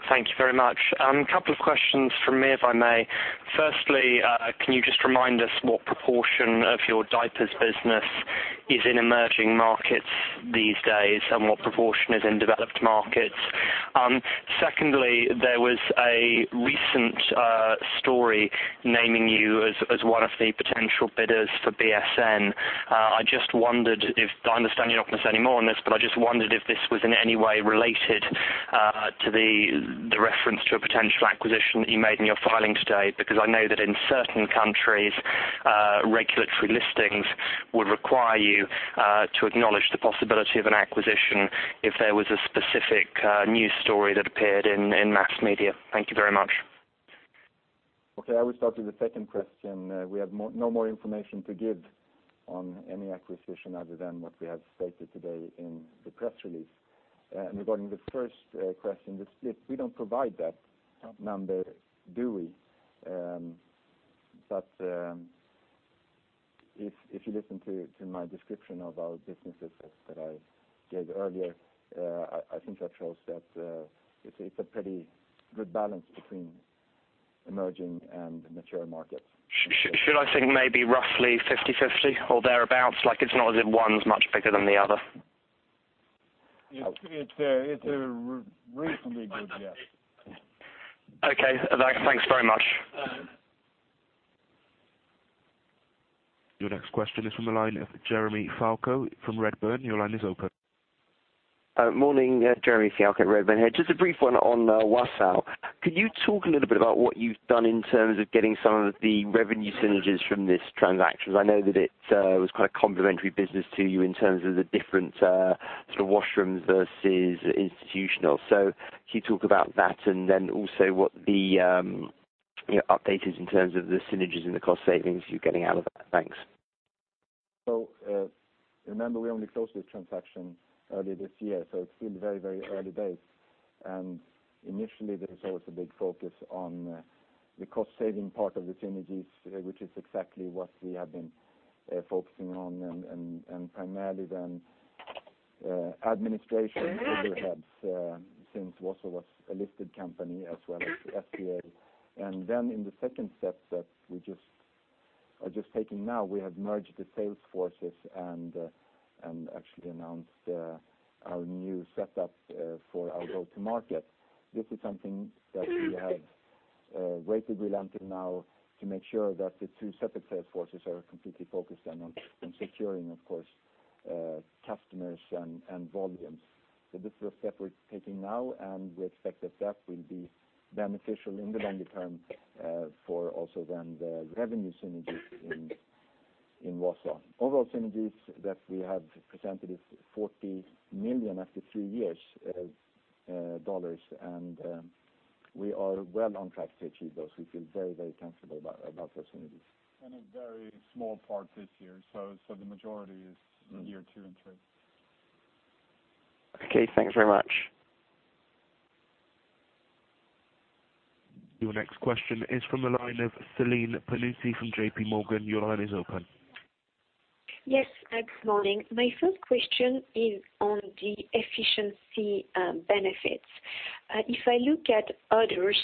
Thank you very much. A couple of questions from me, if I may. Firstly, can you just remind us what proportion of your diapers business is in emerging markets these days, and what proportion is in developed markets? Secondly, there was a recent story naming you as one of the potential bidders for BSN medical. I understand you're not going to say more on this, but I just wondered if this was in any way related to the reference to a potential acquisition that you made in your filing today, because I know that in certain countries, regulatory listings would require you to acknowledge the possibility of an acquisition if there was a specific news story that appeared in mass media. Thank you very much. Okay. I will start with the second question. We have no more information to give on any acquisition other than what we have stated today in the press release. Regarding the first question, the split, we don't provide that number, do we? If you listen to my description of our businesses that I gave earlier, I think that shows that it's a pretty good balance between emerging and mature markets. Should I think maybe roughly 50/50 or thereabout? Like, it's not as if one's much bigger than the other? It's a reasonably good guess. Okay. Thanks very much. Your next question is from the line of Jeremy Fialko from Redburn. Your line is open. Morning. Jeremy Fialko at Redburn here. Just a brief one on Wausau. Could you talk a little bit about what you've done in terms of getting some of the revenue synergies from this transaction? I know that it was quite a complementary business to you in terms of the different sort of washroom versus institutional. Could you talk about that and then also what the update is in terms of the synergies and the cost savings you're getting out of that? Thanks. Remember we only closed the transaction earlier this year, it's still very early days. Initially, there was always a big focus on the cost-saving part of the synergies, which is exactly what we have been focusing on, and primarily then administration overheads since Wausau was a listed company as well as SCA. In the second step that we are just taking now, we have merged the sales forces and actually announced our new setup for our go to market. This is something that we have waited with until now to make sure that the two separate sales forces are completely focused on securing, of course, customers and volumes. This is a step we're taking now, and we expect that will be beneficial in the longer term for also then the revenue synergies in Wausau. Overall synergies that we have presented is $40 million after three years, we are well on track to achieve those. We feel very comfortable about those synergies. A very small part this year. The majority is in year two and three. Okay. Thanks very much. Your next question is from the line of Celine Pannuti from J.P. Morgan. Your line is open. Yes. Good morning. My first question is on the efficiency benefits If I look at others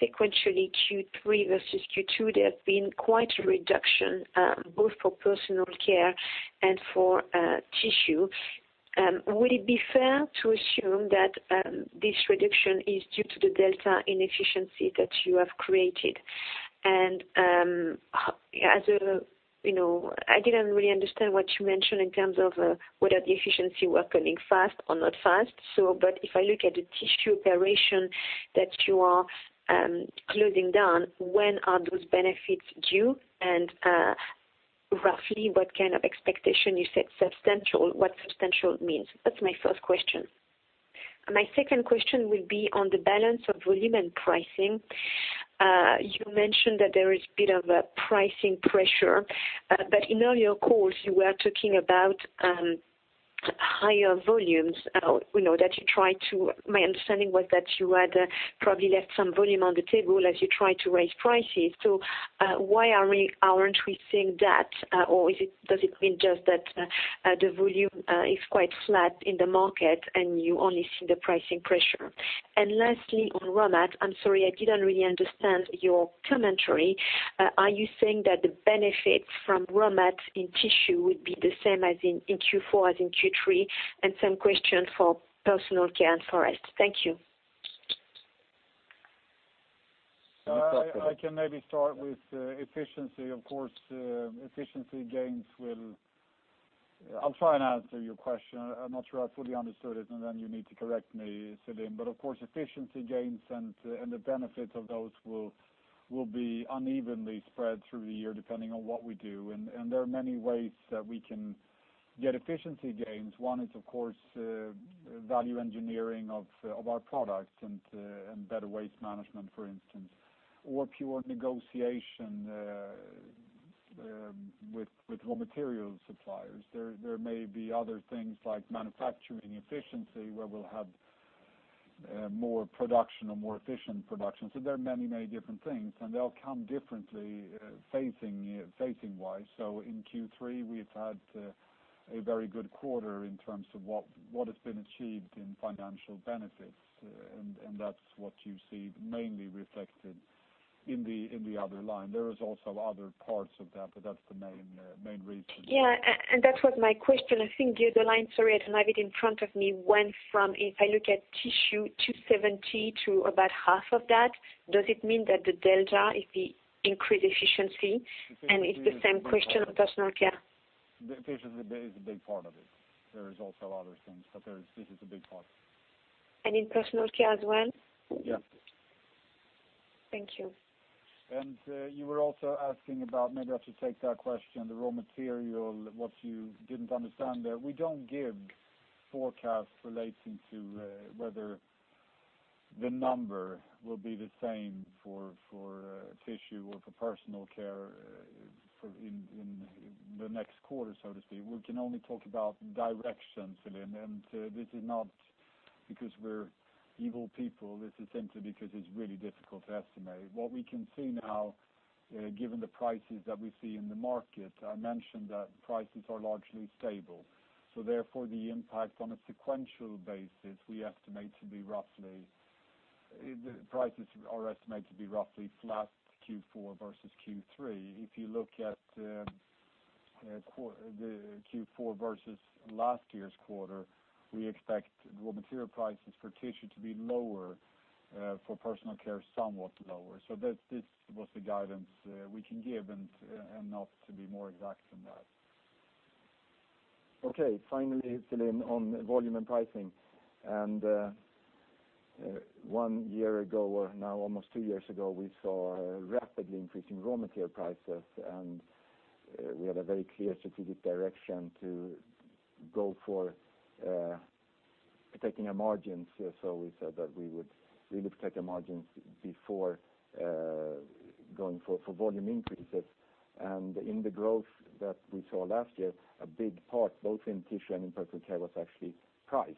sequentially, Q3 versus Q2, there has been quite a reduction both for Personal Care and for Tissue. Would it be fair to assume that this reduction is due to the delta inefficiency that you have created? I didn't really understand what you mentioned in terms of whether the efficiency were coming fast or not fast. If I look at the Tissue operation that you are closing down, when are those benefits due? Roughly what kind of expectation, you said substantial. What substantial means? That's my first question. My second question will be on the balance of volume and pricing. You mentioned that there is a bit of a pricing pressure, in earlier calls you were talking about higher volumes, my understanding was that you had probably left some volume on the table as you try to raise prices. Why aren't we seeing that? Does it mean just that the volume is quite flat in the market, and you only see the pricing pressure? Lastly, on raw mat, I'm sorry, I didn't really understand your commentary. Are you saying that the benefits from raw mat in Tissue would be the same as in Q4 as in Q3? Same question for Personal Care and Forest. Thank you. I can maybe start with efficiency. Of course, efficiency gains, I'll try and answer your question. I'm not sure I fully understood it, then you need to correct me, Celine. Of course, efficiency gains and the benefits of those will be unevenly spread through the year depending on what we do. There are many ways that we can get efficiency gains. One is, of course, value engineering of our products and better waste management, for instance, or pure negotiation with raw material suppliers. There may be other things like manufacturing efficiency, where we'll have more production or more efficient production. There are many different things, and they'll come differently phasing-wise. In Q3, we've had a very good quarter in terms of what has been achieved in financial benefits. That's what you see mainly reflected in the other line. There is also other parts of that's the main reason. That was my question. I think the other line, sorry, I don't have it in front of me, went from, if I look at Tissue 270 to about half of that, does it mean that the delta is the increased efficiency? It's the same question on Personal Care. Efficiency is a big part of it. There is also other things, but this is a big part. In Personal Care as well? Yeah. Thank you. You were also asking about, maybe I should take that question, the raw material, what you did not understand there. We do not give forecasts relating to whether the number will be the same for Tissue or for Personal Care in the next quarter, so to speak. We can only talk about direction, Celine. This is not because we are evil people, this is simply because it is really difficult to estimate. What we can see now, given the prices that we see in the market, I mentioned that prices are largely stable, therefore the impact on a sequential basis, the prices are estimated to be roughly flat Q4 versus Q3. If you look at Q4 versus last year's quarter, we expect raw material prices for Tissue to be lower, for Personal Care, somewhat lower. This was the guidance we can give and not to be more exact than that. Okay. Finally, Celine, on volume and pricing. One year ago, or now almost two years ago, we saw rapidly increasing raw material prices. We had a very clear strategic direction to go for protecting our margins. We said that we would protect our margins before going for volume increases. In the growth that we saw last year, a big part, both in Tissue and in Personal Care, was actually price.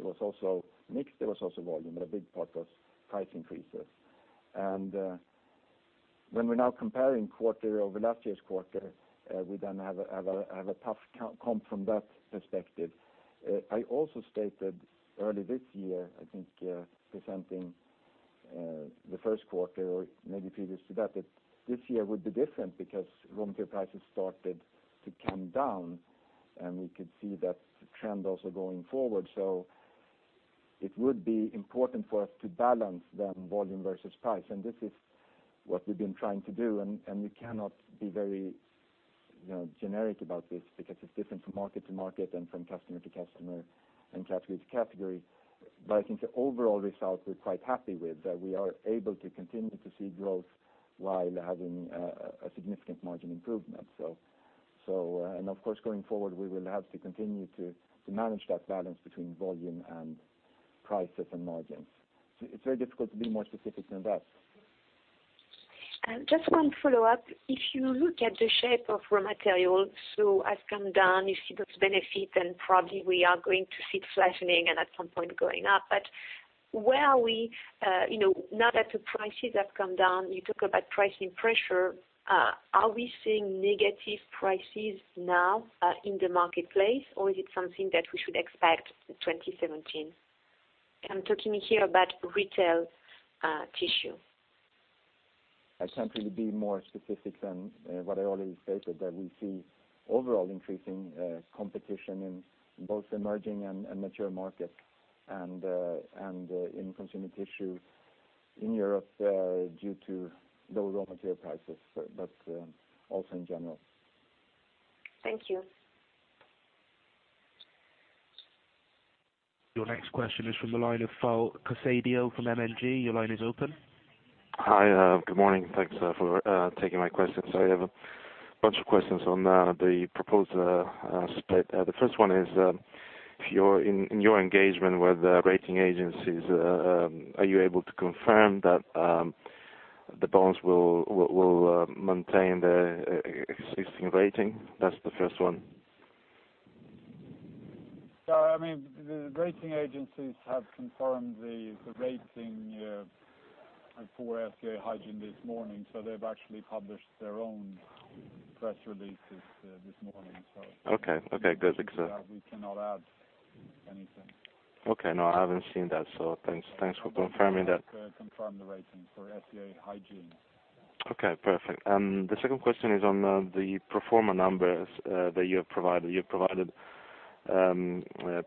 There was also mix, there was also volume, but a big part was price increases. When we're now comparing quarter over last year's quarter, we then have a tough comp from that perspective. I also stated early this year, I think presenting the first quarter or maybe previous to that this year would be different because raw material prices started to come down, and we could see that trend also going forward. It would be important for us to balance then volume versus price. This is what we've been trying to do, and we cannot be very generic about this because it's different from market to market and from customer to customer and category to category. I think the overall result we're quite happy with, that we are able to continue to see growth while having a significant margin improvement. Of course, going forward, we will have to continue to manage that balance between volume and prices and margins. It's very difficult to be more specific than that. Just one follow-up. If you look at the shape of raw materials, has come down, you see those benefits, and probably we are going to see flattening and at some point going up. Where are we now that the prices have come down, you talk about pricing pressure, are we seeing negative prices now in the marketplace, or is it something that we should expect in 2017? I'm talking here about retail Tissue. I can't really be more specific than what I already stated, that we see overall increasing competition in both emerging and mature markets, in consumer tissue in Europe due to low raw material prices, but also in general. Thank you. Your next question is from the line of Fal Casadio from MMG. Your line is open. Hi, good morning. Thanks for taking my questions. I have a bunch of questions on the proposed split. The first one is, in your engagement with the rating agencies, are you able to confirm that the bonds will maintain the existing rating? That's the first one. The rating agencies have confirmed the rating for SCA Hygiene this morning. They've actually published their own press releases this morning. Okay. Good. We cannot add anything. Okay. No, I haven't seen that, so thanks for confirming that. Confirm the rating for SCA Hygiene. Okay, perfect. The second question is on the pro forma numbers that you have provided. You have provided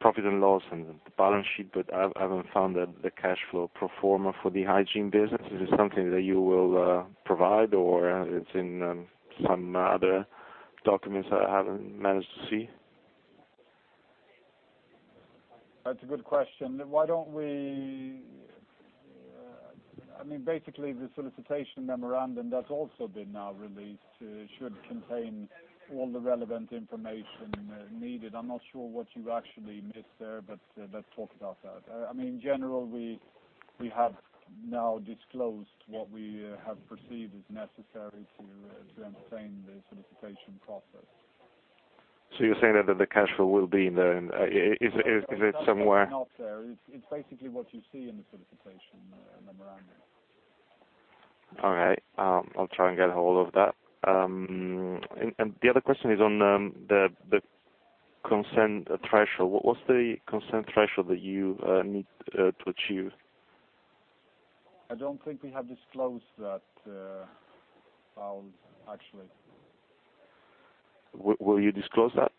profit and loss and the balance sheet, but I haven't found the cash flow pro forma for the hygiene business. Is this something that you will provide, or it's in some other documents that I haven't managed to see? That's a good question. Basically, the solicitation memorandum that's also been now released should contain all the relevant information needed. I'm not sure what you actually missed there, but let's talk about that. In general, we have now disclosed what we have perceived is necessary to entertain the solicitation process. You're saying that the cash flow will be in there. Is it somewhere? It's basically what you see in the solicitation memorandum. I'll try and get a hold of that. The other question is on the consent threshold. What's the consent threshold that you need to achieve? I don't think we have disclosed that, Fal, actually. Will you disclose that?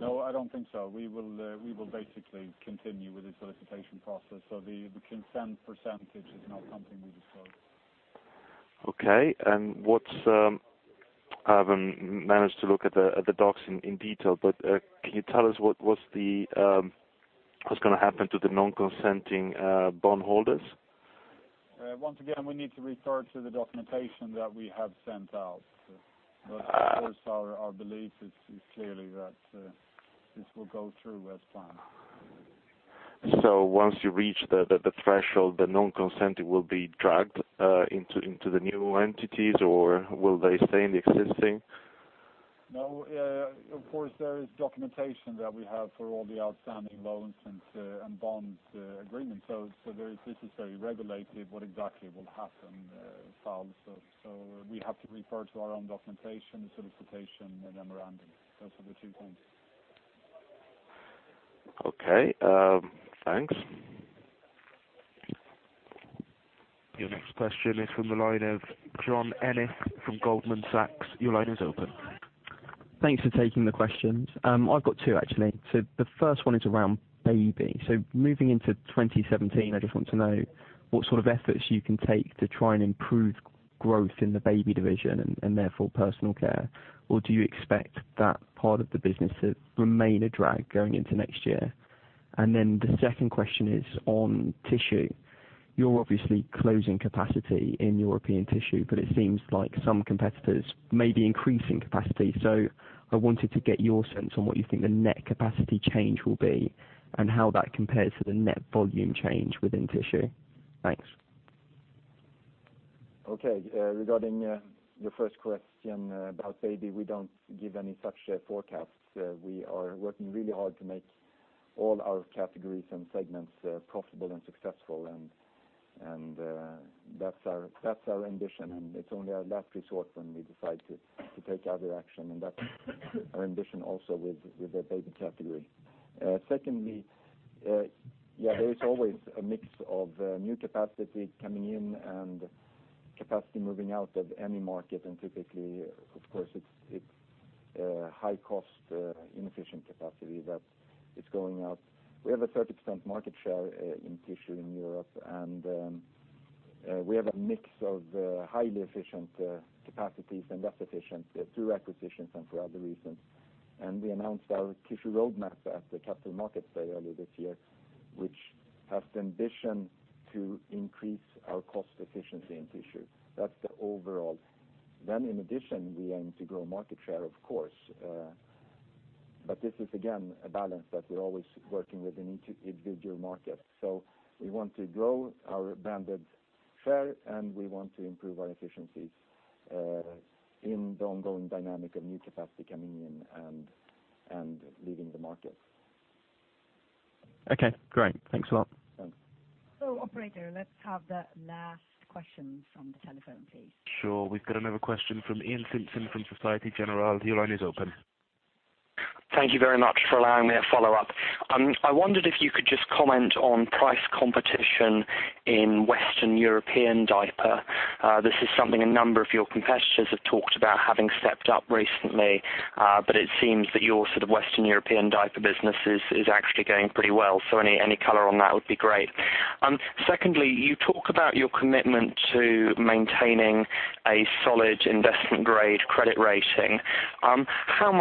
No, I don't think so. We will basically continue with the solicitation process. The consent percentage is not something we disclose. Okay. I haven't managed to look at the docs in detail, can you tell us what's going to happen to the non-consenting bondholders? Once again, we need to refer to the documentation that we have sent out. Of course, our belief is clearly that this will go through as planned. Once you reach the threshold, the non-consent will be dragged into the new entities, or will they stay in the existing? No, of course, there is documentation that we have for all the outstanding loans and bond agreements. This is very regulated, what exactly will happen, Fal. We have to refer to our own documentation, solicitation memorandum. Those are the two points. Okay. Thanks. Your next question is from the line of John Ennis from Goldman Sachs. Your line is open. Thanks for taking the questions. I've got two, actually. The first one is around baby. Moving into 2017, I just want to know what sort of efforts you can take to try and improve growth in the baby division and therefore Personal Care, or do you expect that part of the business to remain a drag going into next year? The second question is on Tissue. You're obviously closing capacity in European Tissue, but it seems like some competitors may be increasing capacity. I wanted to get your sense on what you think the net capacity change will be and how that compares to the net volume change within Tissue. Thanks. Okay. Regarding your first question about baby, we don't give any such forecasts. We are working really hard to make all our categories and segments profitable and successful. That's our ambition. It's only our last resort when we decide to take other action. That's our ambition also with the baby category. Secondly, there is always a mix of new capacity coming in and capacity moving out of any market. Typically, of course, it's high cost inefficient capacity that is going out. We have a 30% market share in Tissue in Europe, and we have a mix of highly efficient capacities and less efficient through acquisitions and for other reasons. We announced our Tissue roadmap at the capital markets day earlier this year, which has the ambition to increase our cost efficiency in Tissue. That's the overall. In addition, we aim to grow market share, of course. This is again, a balance that we're always working with in each individual market. We want to grow our branded share, and we want to improve our efficiencies in the ongoing dynamic of new capacity coming in and leaving the market. Okay, great. Thanks a lot. Thanks. Operator, let's have the last question from the telephone, please. Sure. We've got another question from Iain Simpson from Société Générale. Your line is open. Thank you very much for allowing me a follow-up. I wondered if you could just comment on price competition in Western European diaper. This is something a number of your competitors have talked about having stepped up recently, it seems that your Western European diaper business is actually going pretty well. Any color on that would be great. Secondly, you talk about your commitment to maintaining a solid investment-grade credit rating. How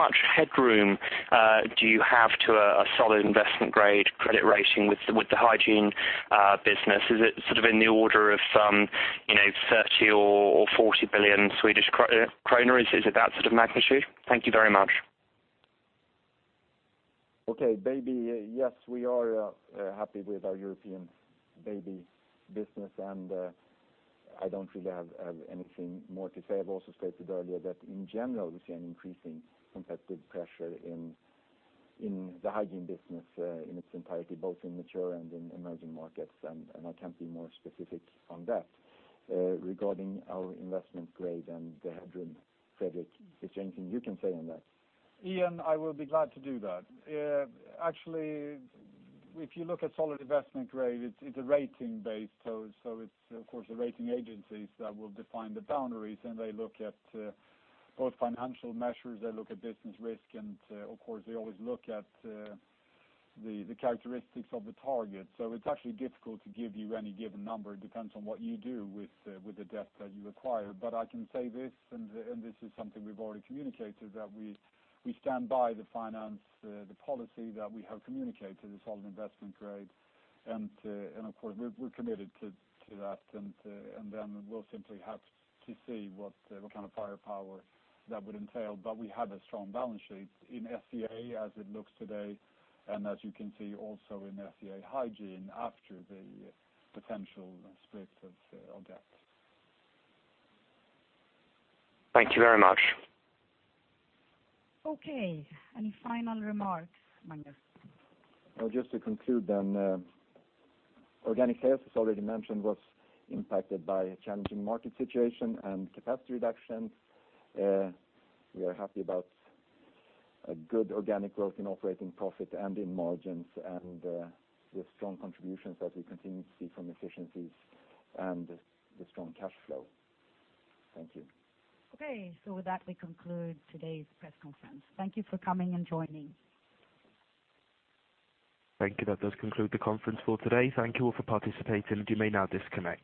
much headroom do you have to a solid investment-grade credit rating with the hygiene business? Is it in the order of 30 billion or 40 billion Swedish kronor? Is it that sort of magnitude? Thank you very much. Okay. Baby, yes, we are happy with our European baby business, and I don't really have anything more to say. I've also stated earlier that in general, we see an increasing competitive pressure in the hygiene business, in its entirety, both in mature and in emerging markets, and I can't be more specific on that. Regarding our investment grade and the headroom, Fredrik, is there anything you can say on that? Iain, I will be glad to do that. Actually, if you look at solid investment grade, it's rating-based, it's of course the rating agencies that will define the boundaries, they look at both financial measures, they look at business risk, and of course, they always look at the characteristics of the target. It's actually difficult to give you any given number. It depends on what you do with the debt that you acquire. I can say this is something we've already communicated, that we stand by the policy that we have communicated, the solid investment grade, and of course, we're committed to that, then we'll simply have to see what kind of firepower that would entail. We have a strong balance sheet in SCA as it looks today, and as you can see also in SCA Hygiene after the potential split of debt. Thank you very much. Any final remarks, Magnus? Just to conclude. Organic sales, as already mentioned, was impacted by a challenging market situation and capacity reductions. We are happy about a good organic growth in operating profit and in margins, and the strong contributions that we continue to see from efficiencies and the strong cash flow. Thank you. With that, we conclude today's press conference. Thank you for coming and joining. Thank you. That does conclude the conference for today. Thank you all for participating. You may now disconnect.